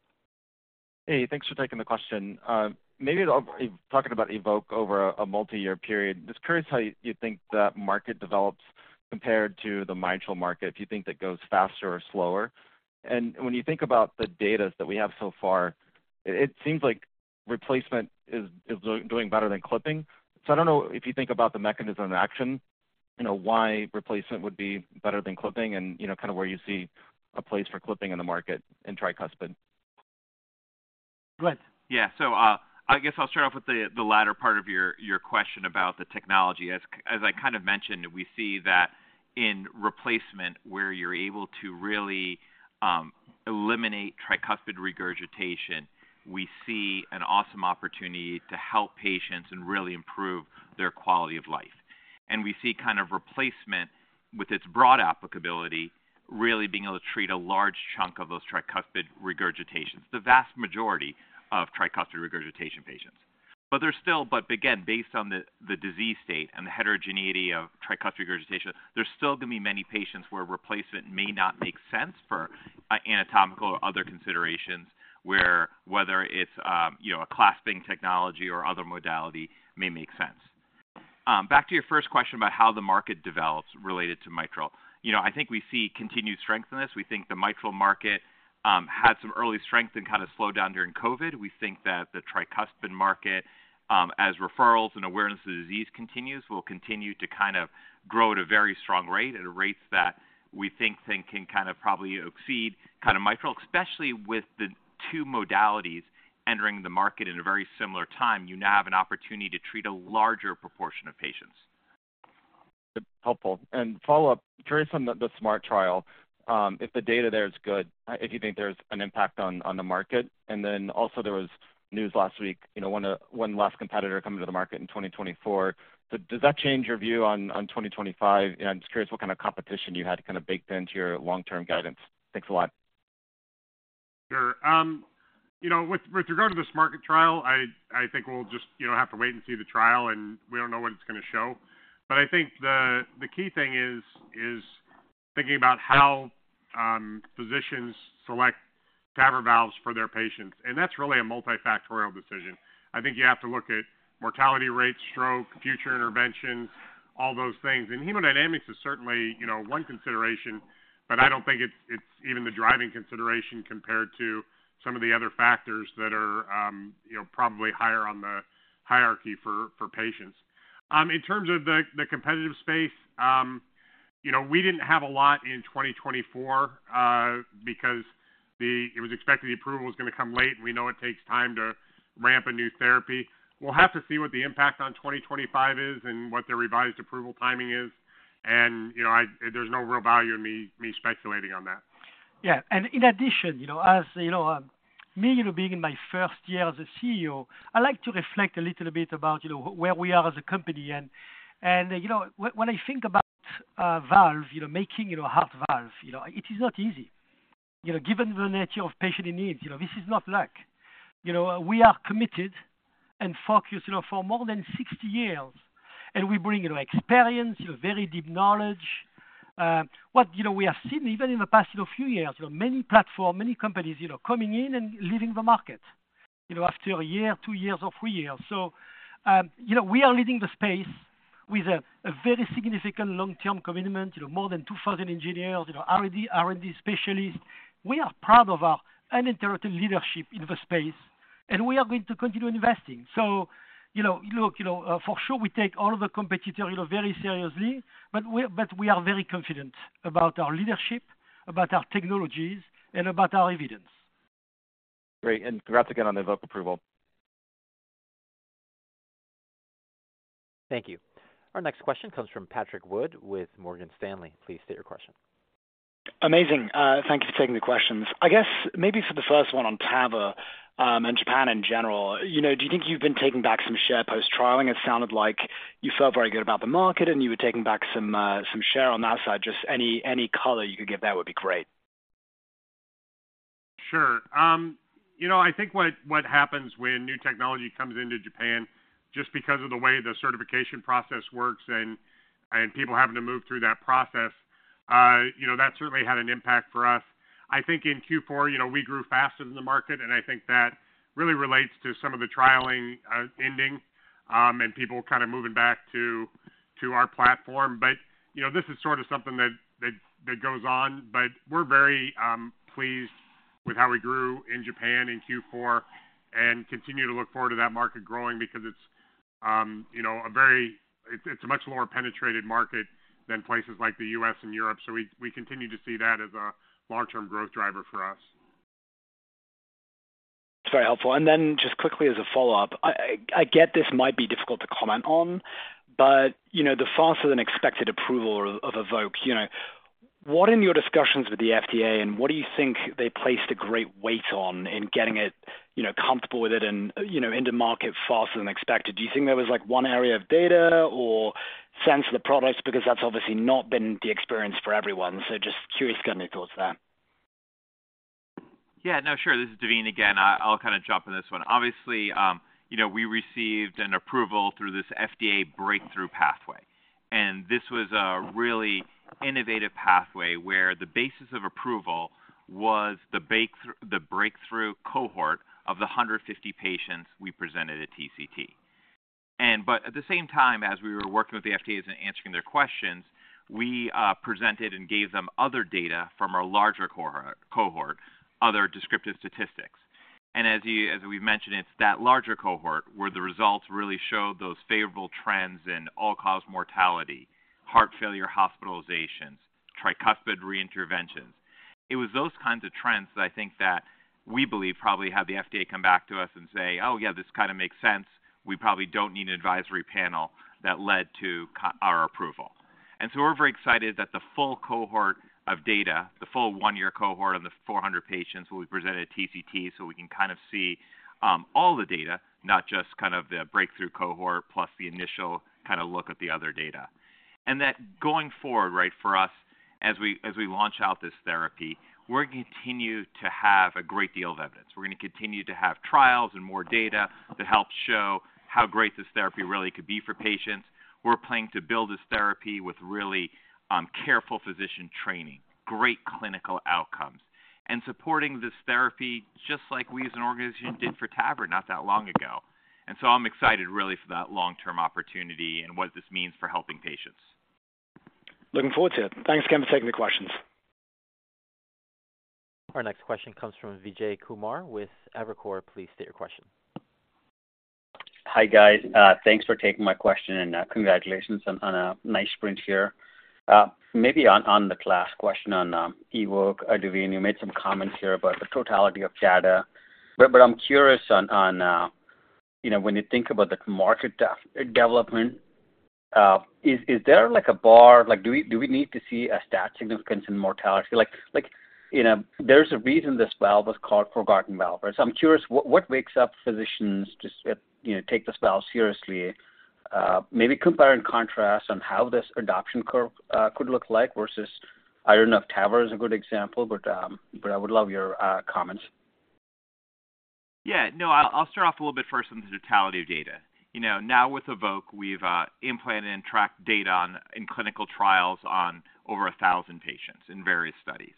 Hey, thanks for taking the question. Maybe talking about EVOQUE over a multi-year period. Just curious how you think that market develops compared to the mitral market, if you think that goes faster or slower. And when you think about the data that we have so far, it seems like replacement is, is doing better than clipping. So I don't know if you think about the mechanism of action, you know, why replacement would be better than clipping and, you know, kind of where you see a place for clipping in the market in tricuspid. Go ahead. Yeah. So, I guess I'll start off with the, the latter part of your, your question about the technology. As, as I kind of mentioned, we see that in replacement, where you're able to really, eliminate tricuspid regurgitation, we see an awesome opportunity to help patients and really improve their quality of life. And we see kind of replacement with its broad applicability, really being able to treat a large chunk of those tricuspid regurgitations, the vast majority of tricuspid regurgitation patients. But there's still, but again, based on the, the disease state and the heterogeneity of tricuspid regurgitation, there's still going to be many patients where replacement may not make sense for anatomical or other considerations, where whether it's, you know, a clasping technology or other modality may make sense. Back to your first question about how the market develops related to mitral. You know, I think we see continued strength in this. We think the mitral market had some early strength and kind of slowed down during COVID. We think that the tricuspid market, as referrals and awareness of the disease continues, will continue to kind of grow at a very strong rate, at rates that we think can kind of probably exceed kind of mitral, especially with the two modalities entering the market in a very similar time. You now have an opportunity to treat a larger proportion of patients. Helpful. And follow-up, curious on the SMART trial, if the data there is good, if you think there's an impact on, on the market. And then also there was news last week, you know, one last competitor coming to the market in 2024. So does that change your view on, on 2025? And I'm just curious what kind of competition you had to kind of bake into your long-term guidance. Thanks a lot. Sure. You know, with regard to the SMART trial, I think we'll just, you know, have to wait and see the trial, and we don't know what it's going to show. But I think the key thing is thinking about how physicians select TAVR valves for their patients, and that's really a multifactorial decision. I think you have to look at mortality rates, stroke, future interventions, all those things. And hemodynamics is certainly, you know, one consideration, but I don't think it's even the driving consideration compared to some of the other factors that are, you know, probably higher on the hierarchy for patients. In terms of the competitive space, you know, we didn't have a lot in 2024, because it was expected the approval was going to come late, and we know it takes time to ramp a new therapy. We'll have to see what the impact on 2025 is and what the revised approval timing is. You know, there's no real value in me speculating on that. Yeah, and in addition, you know, as you know, me, you know, being in my first year as a CEO, I like to reflect a little bit about, you know, where we are as a company. And, and, you know, when, when I think about valve, you know, making, you know, a heart valve, you know, it is not easy. You know, given the nature of patient in need, you know, this is not luck. You know, we are committed and focused, you know, for more than 60 years, and we bring, you know, experience, you know, very deep knowledge. What, you know, we have seen even in the past, you know, few years, you know, many platform, many companies, you know, coming in and leaving the market, you know, after a year, two years or three years. So, you know, we are leading the space with a very significant long-term commitment. You know, more than 2,000 engineers, you know, R&D specialists. We are proud of our uninterrupted leadership in the space, and we are going to continue investing. So, you know, look, you know, for sure, we take all of the competitor, you know, very seriously, but we are very confident about our leadership, about our technologies, and about our evidence. Great, and congrats again on the EVOQUE approval. Thank you. Our next question comes from Patrick Wood with Morgan Stanley. Please state your question. Amazing. Thank you for taking the questions. I guess maybe for the first one on TAVR, and Japan in general, you know, do you think you've been taking back some share post-trialing? It sounded like you felt very good about the market, and you were taking back some, some share on that side. Just any color you could give that would be great. Sure. You know, I think what happens when new technology comes into Japan, just because of the way the certification process works and people having to move through that process, you know, that certainly had an impact for us. I think in Q4, you know, we grew faster than the market, and I think that really relates to some of the trialing ending, and people kind of moving back to our platform. But, you know, this is sort of something that goes on. But we're very pleased with how we grew in Japan in Q4 and continue to look forward to that market growing because it's, you know, a very... It's a much lower penetrated market than places like the U.S. and Europe, so we continue to see that as a long-term growth driver for us. It's very helpful. And then just quickly as a follow-up, I get this might be difficult to comment on, but you know, the faster than expected approval of EVOQUE, you know, what in your discussions with the FDA, and what do you think they placed a great weight on in getting it, you know, comfortable with it and, you know, into market faster than expected? Do you think there was, like, one area of data or sense of the products? Because that's obviously not been the experience for everyone, so just curious to get your thoughts there. Yeah. No, sure. This is Daveen again. I, I'll kind of jump on this one. Obviously, you know, we received an approval through this FDA breakthrough pathway, and this was a really innovative pathway where the basis of approval was the breakthrough cohort of the 150 patients we presented at TCT. But at the same time, as we were working with the FDA and answering their questions, we presented and gave them other data from our larger cohort, other descriptive statistics. And as we've mentioned, it's that larger cohort where the results really showed those favorable trends in all-cause mortality, heart failure hospitalizations, tricuspid reinterventions. It was those kinds of trends that I think that we believe probably had the FDA come back to us and say, "Oh, yeah, this kind of makes sense. We probably don't need an advisory panel," that led to our approval. And so we're very excited that the full cohort of data, the full one-year cohort of the 400 patients will be presented at TCT, so we can kind of see all the data, not just kind of the breakthrough cohort, plus the initial kind of look at the other data. And that going forward, right, for us, as we launch out this therapy, we're going to continue to have a great deal of evidence. We're going to continue to have trials and more data to help show how great this therapy really could be for patients. We're planning to build this therapy with really careful physician training, great clinical outcomes, and supporting this therapy just like we as an organization did for TAVR not that long ago. I'm excited, really, for that long-term opportunity and what this means for helping patients. Looking forward to it. Thanks again for taking the questions. Our next question comes from Vijay Kumar with Evercore. Please state your question. Hi, guys. Thanks for taking my question and, congratulations on a nice sprint here. Maybe on the CLASP question on EVOQUE, Daveen, you made some comments here about the totality of data. But I'm curious on, you know, when you think about the market development, is there like a bar? Like, do we need to see a stat significance in mortality? Like, you know, there's a reason this valve was called forgotten valve. So I'm curious, what wakes up physicians to, you know, take this valve seriously? Maybe compare and contrast on how this adoption curve could look like versus I don't know if TAVR is a good example, but I would love your comments. Yeah. No, I'll start off a little bit first on the totality of data. You know, now with EVOQUE, we've implanted and tracked data on, in clinical trials on over 1,000 patients in various studies.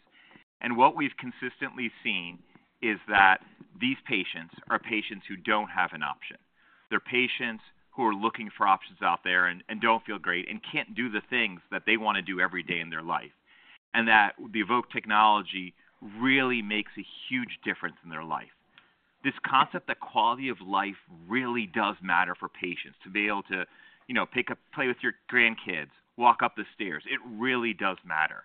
And what we've consistently seen is that these patients are patients who don't have an option. They're patients who are looking for options out there and don't feel great and can't do the things that they want to do every day in their life. And that the EVOQUE technology really makes a huge difference in their life. This concept that quality of life really does matter for patients to be able to, you know, pick up, play with your grandkids, walk up the stairs. It really does matter.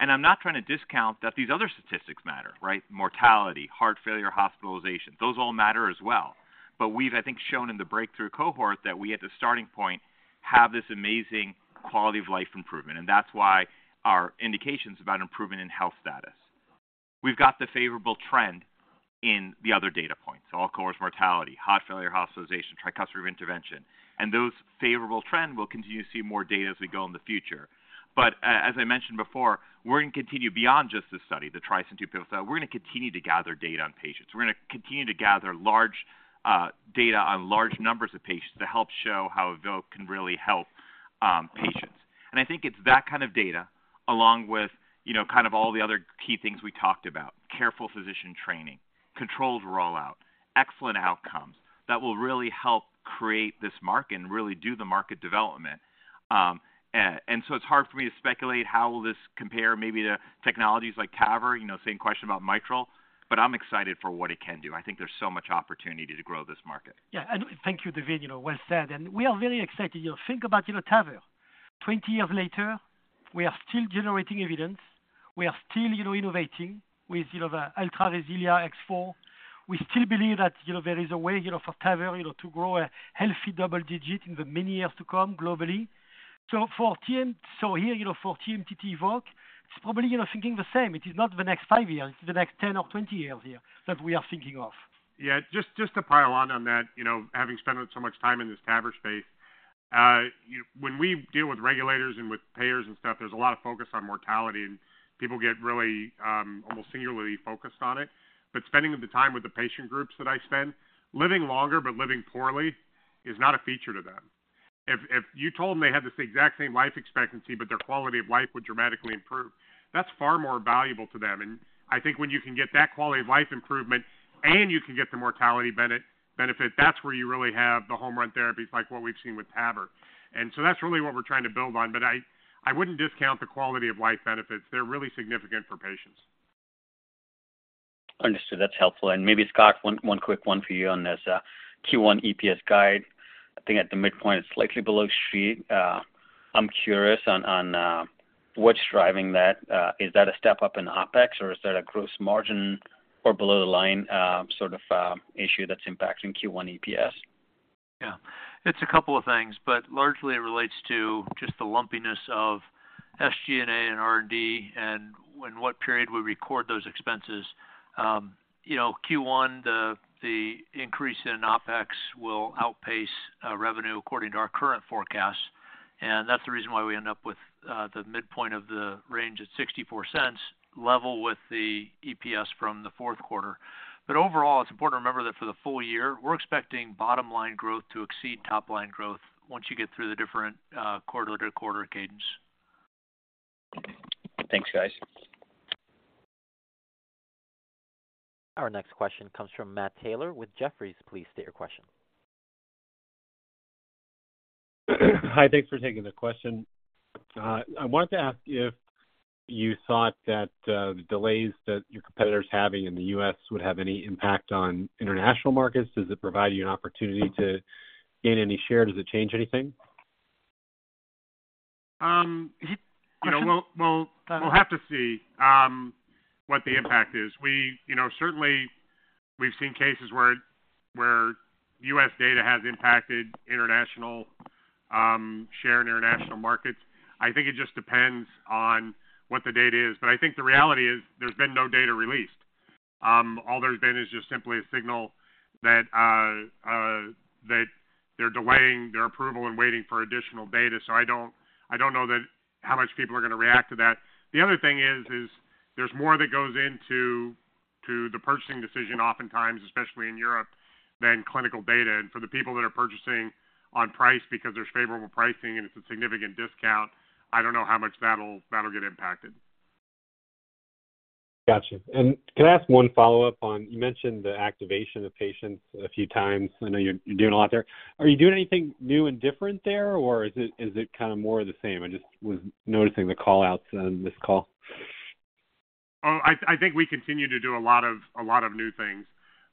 And I'm not trying to discount that these other statistics matter, right? Mortality, heart failure, hospitalization, those all matter as well. But we've, I think, shown in the breakthrough cohort that we, at the starting point, have this amazing quality of life improvement, and that's why our indication's about improvement in health status. We've got the favorable trend in the other data points, all-cause mortality, heart failure, hospitalization, tricuspid intervention. And those favorable trend will continue to see more data as we go in the future. But as I mentioned before, we're going to continue beyond just this study, the TRISCEND II pilot. We're going to continue to gather data on patients. We're going to continue to gather large data on large numbers of patients to help show how EVOQUE can really help patients. I think it's that kind of data along with, you know, kind of all the other key things we talked about, careful physician training, controlled rollout, excellent outcomes, that will really help create this market and really do the market development. And so it's hard for me to speculate how will this compare maybe to technologies like TAVR, you know, same question about mitral, but I'm excited for what it can do. I think there's so much opportunity to grow this market. Yeah, and thank you, Daveen. You know, well said, and we are very excited. You know, think about, you know, TAVR. 20 years later, we are still generating evidence. We are still, you know, innovating with, you know, the Ultra RESILIA X4. We still believe that, you know, there is a way, you know, for TAVR, you know, to grow a healthy double digit in the many years to come globally. So for TM, so here, you know, for TMTT EVOQUE, it's probably, you know, thinking the same. It is not the next five years, it's the next 10 or 20 years here that we are thinking of. Yeah, just to pile on on that, you know, having spent so much time in this TAVR space, you know, when we deal with regulators and with payers and stuff, there's a lot of focus on mortality, and people get really, almost singularly focused on it. But spending the time with the patient groups that I spend, living longer but living poorly is not a feature to them. If, if you told them they had this exact same life expectancy, but their quality of life would dramatically improve, that's far more valuable to them. And I think when you can get that quality of life improvement and you can get the mortality benefit, that's where you really have the home run therapies, like what we've seen with TAVR. And so that's really what we're trying to build on. But I wouldn't discount the quality of life benefits. They're really significant for patients. Understood. That's helpful. And maybe, Scott, one quick one for you on this, Q1 EPS guide. I think at the midpoint, it's slightly below street. I'm curious on what's driving that. Is that a step up in OpEx, or is that a gross margin or below the line, sort of, issue that's impacting Q1 EPS? Yeah. It's a couple of things, but largely it relates to just the lumpiness of SG&A and R&D and when, what period we record those expenses. You know, Q1, the increase in OpEx will outpace revenue according to our current forecast, and that's the reason why we end up with the midpoint of the range at $0.64, level with the EPS from the fourth quarter. But overall, it's important to remember that for the full year, we're expecting bottom line growth to exceed top line growth once you get through the different quarter-to-quarter cadence. Thanks, guys. Our next question comes from Matt Taylor with Jefferies. Please state your question. Hi, thanks for taking the question. I wanted to ask if you thought that the delays that your competitor is having in the U.S. would have any impact on international markets. Does it provide you an opportunity to gain any share? Does it change anything? You know, we'll have to see what the impact is. We, you know, certainly we've seen cases where U.S. data has impacted international share in international markets. I think it just depends on what the data is. But I think the reality is there's been no data released. All there's been is just simply a signal that that they're delaying their approval and waiting for additional data. So I don't know that how much people are gonna react to that. The other thing is there's more that goes into the purchasing decision oftentimes, especially in Europe, than clinical data. And for the people that are purchasing on price because there's favorable pricing and it's a significant discount, I don't know how much that'll get impacted. Gotcha. Can I ask one follow-up on... You mentioned the activation of patients a few times. I know you're, you're doing a lot there. Are you doing anything new and different there, or is it, is it kind of more of the same? I just was noticing the call-outs on this call. Oh, I think we continue to do a lot of, a lot of new things.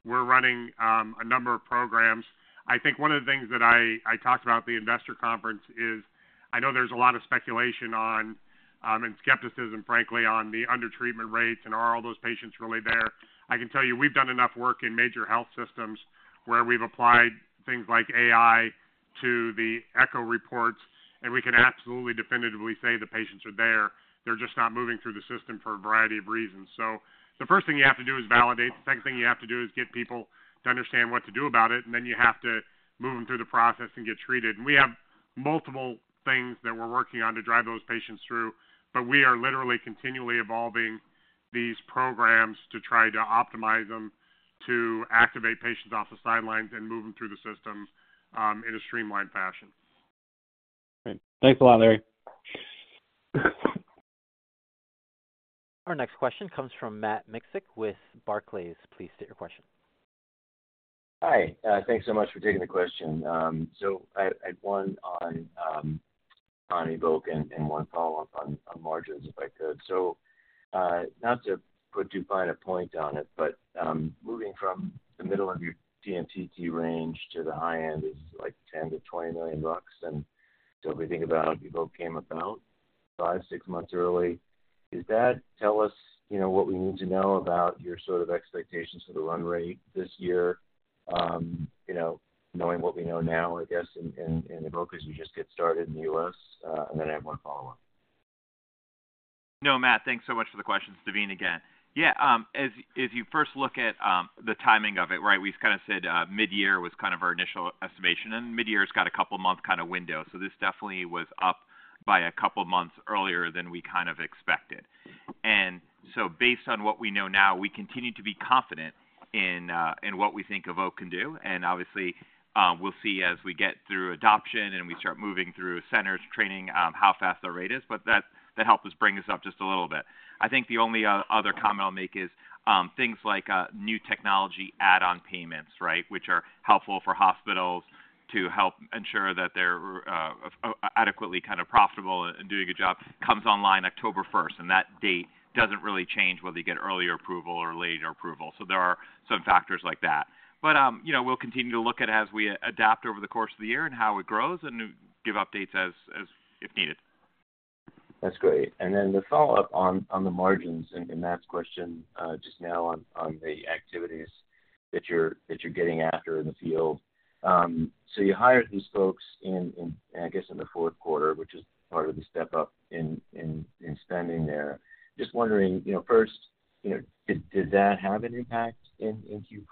We're running a number of programs. I think one of the things that I talked about at the investor conference is I know there's a lot of speculation on, and skepticism, frankly, on the undertreatment rates and are all those patients really there? I can tell you, we've done enough work in major health systems where we've applied things like AI to the echo reports, and we can absolutely definitively say the patients are there. They're just not moving through the system for a variety of reasons. So the first thing you have to do is validate. The second thing you have to do is get people to understand what to do about it, and then you have to move them through the process and get treated. We have multiple things that we're working on to drive those patients through, but we are literally continually evolving these programs to try to optimize them, to activate patients off the sidelines and move them through the system in a streamlined fashion. Great. Thanks a lot, Larry. Our next question comes from Matt Miksic with Barclays. Please state your question. Hi, thanks so much for taking the question. So I had one on EVOQUE and one follow-up on margins, if I could. So, not to put too fine a point on it, but, moving from the middle of your TMTT range to the high end is, like, $10 million-$20 million. And so if we think about how EVOQUE came about five, six months early, does that tell us, you know, what we need to know about your sort of expectations for the run rate this year? You know, knowing what we know now, I guess, and EVOQUE, as you just get started in the U.S., and then I have one follow-up. No, Matt, thanks so much for the question. Daveen again. Yeah, as you first look at the timing of it, right, we've kind of said mid-year was kind of our initial estimation, and mid-year's got a couple of months kind of window. So this definitely was up by a couple of months earlier than we kind of expected. And so based on what we know now, we continue to be confident in what we think EVOQUE can do. And obviously, we'll see as we get through adoption and we start moving through centers, training, how fast the rate is, but that helped us bring this up just a little bit. I think the only other comment I'll make is, things like, new technology add-on payments, right, which are helpful for hospitals to help ensure that they're, adequately kind of profitable and doing a good job, comes online October first, and that date doesn't really change whether you get earlier approval or later approval. So there are some factors like that. But, you know, we'll continue to look at it as we adapt over the course of the year and how it grows and give updates as if needed. That's great. And then the follow-up on the margins and Matt's question just now on the activities that you're getting after in the field. So you hired these folks in, I guess, in the fourth quarter, which is part of the step up in spending there. Just wondering, you know, first, you know, did that have an impact in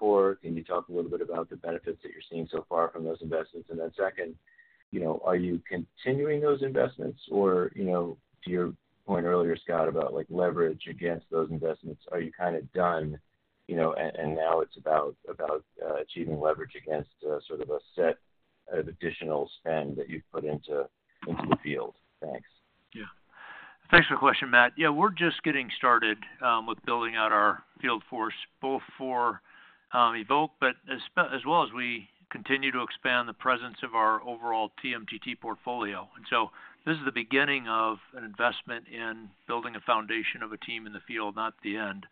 Q4? Can you talk a little bit about the benefits that you're seeing so far from those investments? And then second, you know, are you continuing those investments or, you know, to your point earlier, Scott, about like leverage against those investments, are you kind of done, you know, and now it's about achieving leverage against sort of a set of additional spend that you've put into the field? Thanks. Thanks for the question, Matt. Yeah, we're just getting started with building out our field force, both for EVOQUE, but as well as we continue to expand the presence of our overall TMTT portfolio. So this is the beginning of an investment in building a foundation of a team in the field, not the end.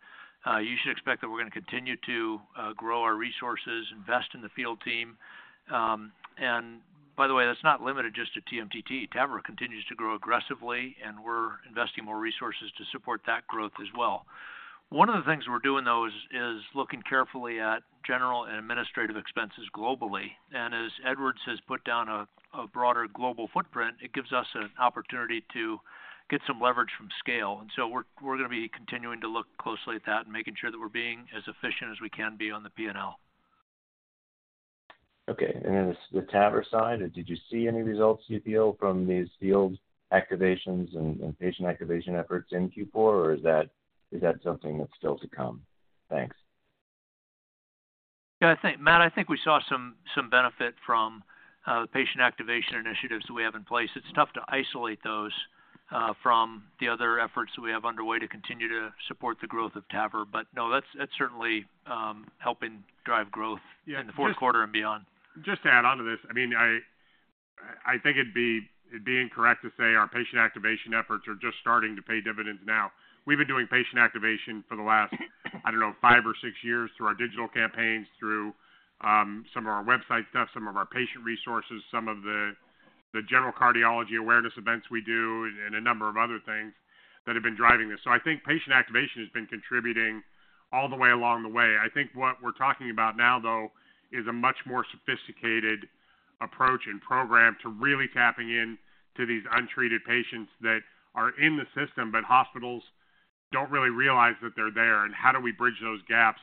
You should expect that we're going to continue to grow our resources, invest in the field team. And by the way, that's not limited just to TMTT. TAVR continues to grow aggressively, and we're investing more resources to support that growth as well. One of the things we're doing, though, is looking carefully at general and administrative expenses globally, and as Edwards has put down a broader global footprint, it gives us an opportunity to get some leverage from scale. So we're going to be continuing to look closely at that and making sure that we're being as efficient as we can be on the P&L. Okay, and then the TAVR side, did you see any results you feel from these field activations and patient activation efforts in Q4, or is that something that's still to come? Thanks. Yeah, I think, Matt, I think we saw some benefit from the patient activation initiatives that we have in place. It's tough to isolate those from the other efforts that we have underway to continue to support the growth of TAVR. But no, that's certainly helping drive growth in the fourth quarter and beyond. Just to add on to this, I mean, I think it'd be incorrect to say our patient activation efforts are just starting to pay dividends now. We've been doing patient activation for the last, I don't know, five or six years, through our digital campaigns, through some of our website stuff, some of our patient resources, some of the general cardiology awareness events we do, and a number of other things that have been driving this. So I think patient activation has been contributing all the way along the way. I think what we're talking about now, though, is a much more sophisticated approach and program to really tapping in to these untreated patients that are in the system, but hospitals don't really realize that they're there, and how do we bridge those gaps?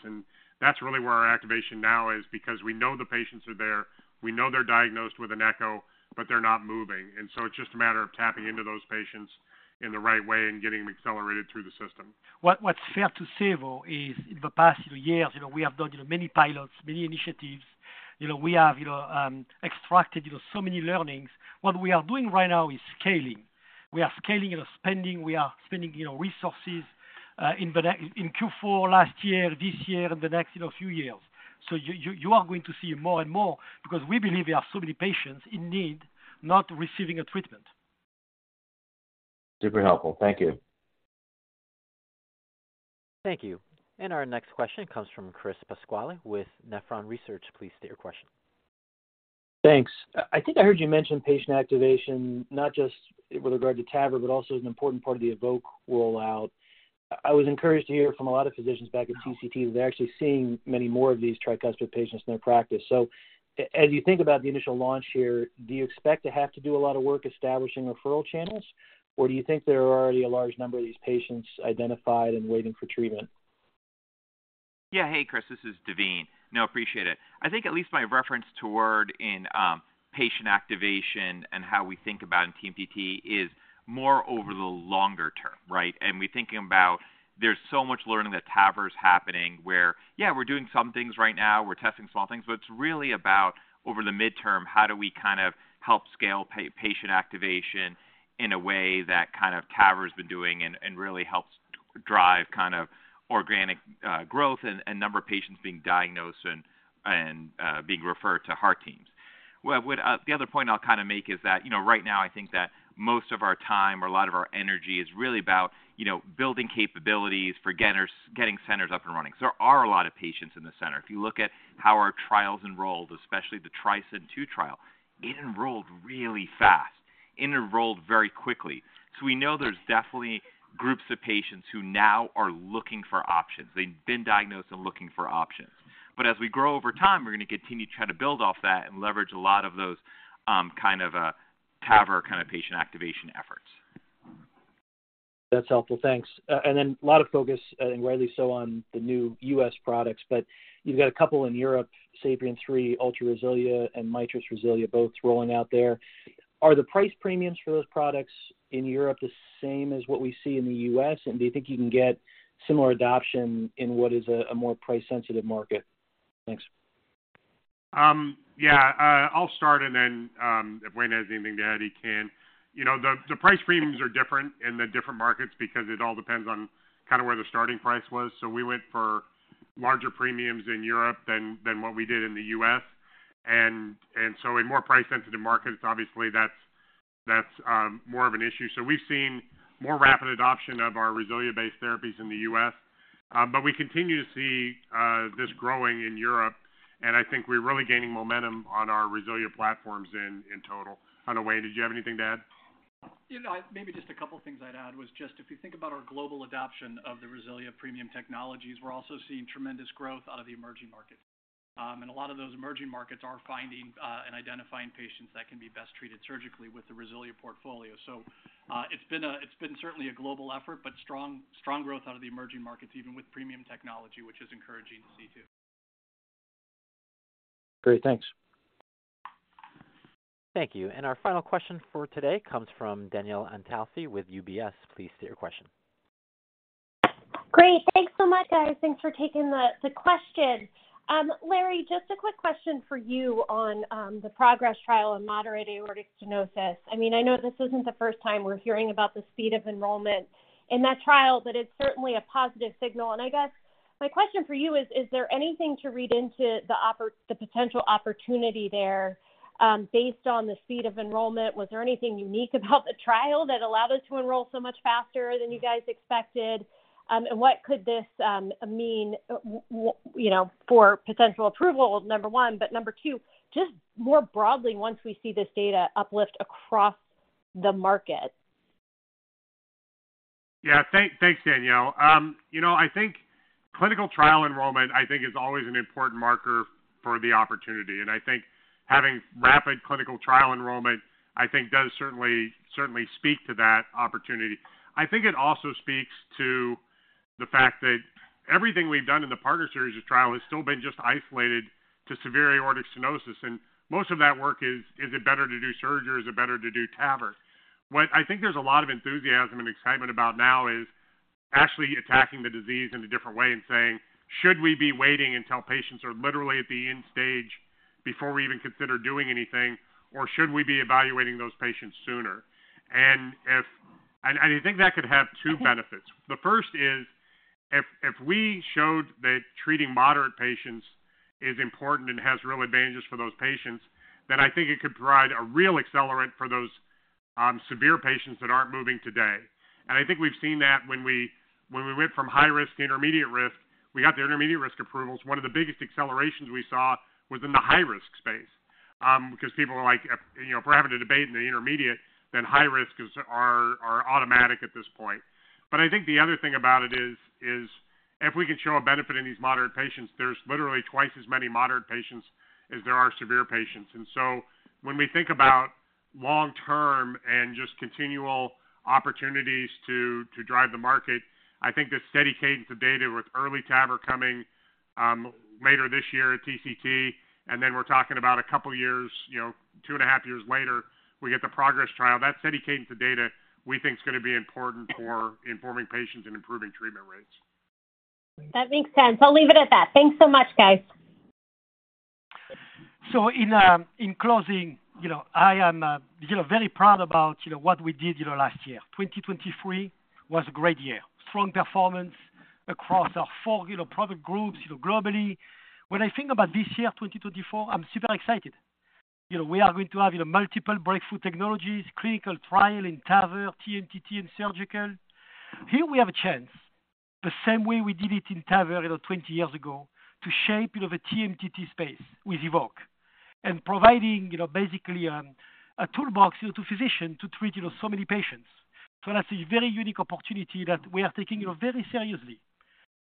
That's really where our activation now is, because we know the patients are there, we know they're diagnosed with an echo, but they're not moving. So it's just a matter of tapping into those patients in the right way and getting them accelerated through the system. What's fair to say, though, is in the past years, you know, we have done many pilots, many initiatives. You know, we have, you know, extracted, you know, so many learnings. What we are doing right now is scaling. We are scaling, you know, spending, we are spending, you know, resources in Q4 last year, this year, and the next, you know, few years. So you, you, you are going to see more and more because we believe there are so many patients in need, not receiving a treatment. Super helpful. Thank you. Thank you. Our next question comes from Chris Pasquale with Nephron Research. Please state your question. Thanks. I think I heard you mention patient activation, not just with regard to TAVR, but also as an important part of the EVOQUE rollout. I was encouraged to hear from a lot of physicians back at TCT that they're actually seeing many more of these tricuspid patients in their practice. So as you think about the initial launch here, do you expect to have to do a lot of work establishing referral channels, or do you think there are already a large number of these patients identified and waiting for treatment? Yeah. Hey, Chris, this is Daveen. No, appreciate it. I think at least my reference toward in patient activation and how we think about in TMTT is more over the longer term, right? And we think about there's so much learning that TAVR is happening where, yeah, we're doing some things right now, we're testing small things, but it's really about over the midterm, how do we kind of help scale patient activation in a way that kind of TAVR has been doing and, and really helps drive kind of organic growth and, and number of patients being diagnosed and, and being referred to heart teams. Well, what, the other point I'll kind of make is that, you know, right now, I think that most of our time or a lot of our energy is really about, you know, building capabilities for getting, getting centers up and running. So there are a lot of patients in the center. If you look at how our trials enrolled, especially the TRISCEND II trial, it enrolled really fast. It enrolled very quickly. So we know there's definitely groups of patients who now are looking for options. They've been diagnosed and looking for options. But as we grow over time, we're going to continue to try to build off that and leverage a lot of those, kind of a TAVR kind of patient activation efforts. That's helpful. Thanks. And then a lot of focus, and rightly so, on the new U.S. products, but you've got a couple in Europe, SAPIEN 3 Ultra RESILIA, and MITRIS RESILIA, both rolling out there. Are the price premiums for those products in Europe the same as what we see in the U.S.? And do you think you can get similar adoption in what is a more price-sensitive market? Thanks. Yeah, I'll start, and then, if Wayne has anything to add, he can. You know, the price premiums are different in the different markets because it all depends on kind of where the starting price was. So we went for larger premiums in Europe than what we did in the U.S. And so in more price-sensitive markets, obviously, that's more of an issue. So we've seen more rapid adoption of our Resilia-based therapies in the U.S. But we continue to see this growing in Europe, and I think we're really gaining momentum on our Resilia platforms in total. I don't know, Wayne, did you have anything to add? You know, maybe just a couple of things I'd add was just if you think about our global adoption of the Resilia premium technologies, we're also seeing tremendous growth out of the emerging markets. And a lot of those emerging markets are finding and identifying patients that can be best treated surgically with the Resilia portfolio. So, it's been certainly a global effort, but strong, strong growth out of the emerging markets, even with premium technology, which is encouraging to see, too. Great. Thanks. Thank you. Our final question for today comes from Danielle Antalffy with UBS. Please state your question. Great. Thanks so much, guys. Thanks for taking the questions. Larry, just a quick question for you on the PROGRESS trial and moderate aortic stenosis. I mean, I know this isn't the first time we're hearing about the speed of enrollment in that trial, but it's certainly a positive signal. And I guess my question for you is: Is there anything to read into the offer, the potential opportunity there, based on the speed of enrollment? Was there anything unique about the trial that allowed us to enroll so much faster than you guys expected? And what could this mean, you know, for potential approval, number one, but number two, just more broadly, once we see this data uplift across the market? Yeah. Thanks, Danielle. You know, I think clinical trial enrollment, I think, is always an important marker for the opportunity, and I think having rapid clinical trial enrollment, I think, does certainly, certainly speak to that opportunity. I think it also speaks to the fact that everything we've done in the PARTNER series of trial has still been just isolated to severe aortic stenosis, and most of that work is, is it better to do surgery or is it better to do TAVR? What I think there's a lot of enthusiasm and excitement about now is actually attacking the disease in a different way and saying, "Should we be waiting until patients are literally at the end stage before we even consider doing anything, or should we be evaluating those patients sooner?" And if... And I think that could have two benefits. The first is, if we showed that treating moderate patients is important and has real advantages for those patients, then I think it could provide a real accelerant for those severe patients that aren't moving today. And I think we've seen that when we went from high risk to intermediate risk, we got the intermediate risk approvals. One of the biggest accelerations we saw was in the high-risk space, because people are like, you know, if we're having a debate in the intermediate, then high risk is automatic at this point. But I think the other thing about it is if we can show a benefit in these moderate patients, there's literally twice as many moderate patients as there are severe patients. And so when we think about long term and just continual opportunities to, to drive the market, I think this steady cadence of data with EARLY TAVR coming later this year at TCT, and then we're talking about a couple of years, you know, 2.5 years later, we get the PROGRESS trial. That steady cadence of data we think is going to be important for informing patients and improving treatment rates. That makes sense. I'll leave it at that. Thanks so much, guys. So, in closing, you know, I am, you know, very proud about, you know, what we did, you know, last year. 2023 was a great year. Strong performance across our four, you know, product groups, you know, globally. When I think about this year, 2024, I'm super excited. You know, we are going to have, you know, multiple breakthrough technologies, clinical trial in TAVR, TMTT, and Surgical. Here we have a chance, the same way we did it in TAVR, you know, 20 years ago, to shape, you know, the TMTT space with EVOQUE and providing, you know, basically, a toolbox, you know, to physician to treat, you know, so many patients. So that's a very unique opportunity that we are taking, you know, very seriously.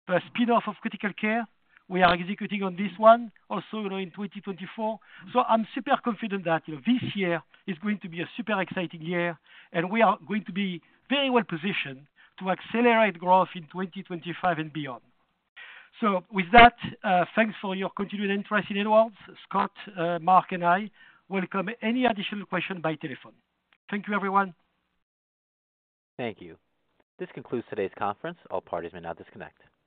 The spin-off of Critical Care, we are executing on this one also, you know, in 2024. So I'm super confident that, you know, this year is going to be a super exciting year, and we are going to be very well positioned to accelerate growth in 2025 and beyond. So with that, thanks for your continued interest in Edwards. Scott, Mark, and I welcome any additional question by telephone. Thank you, everyone. Thank you. This concludes today's conference. All parties may now disconnect.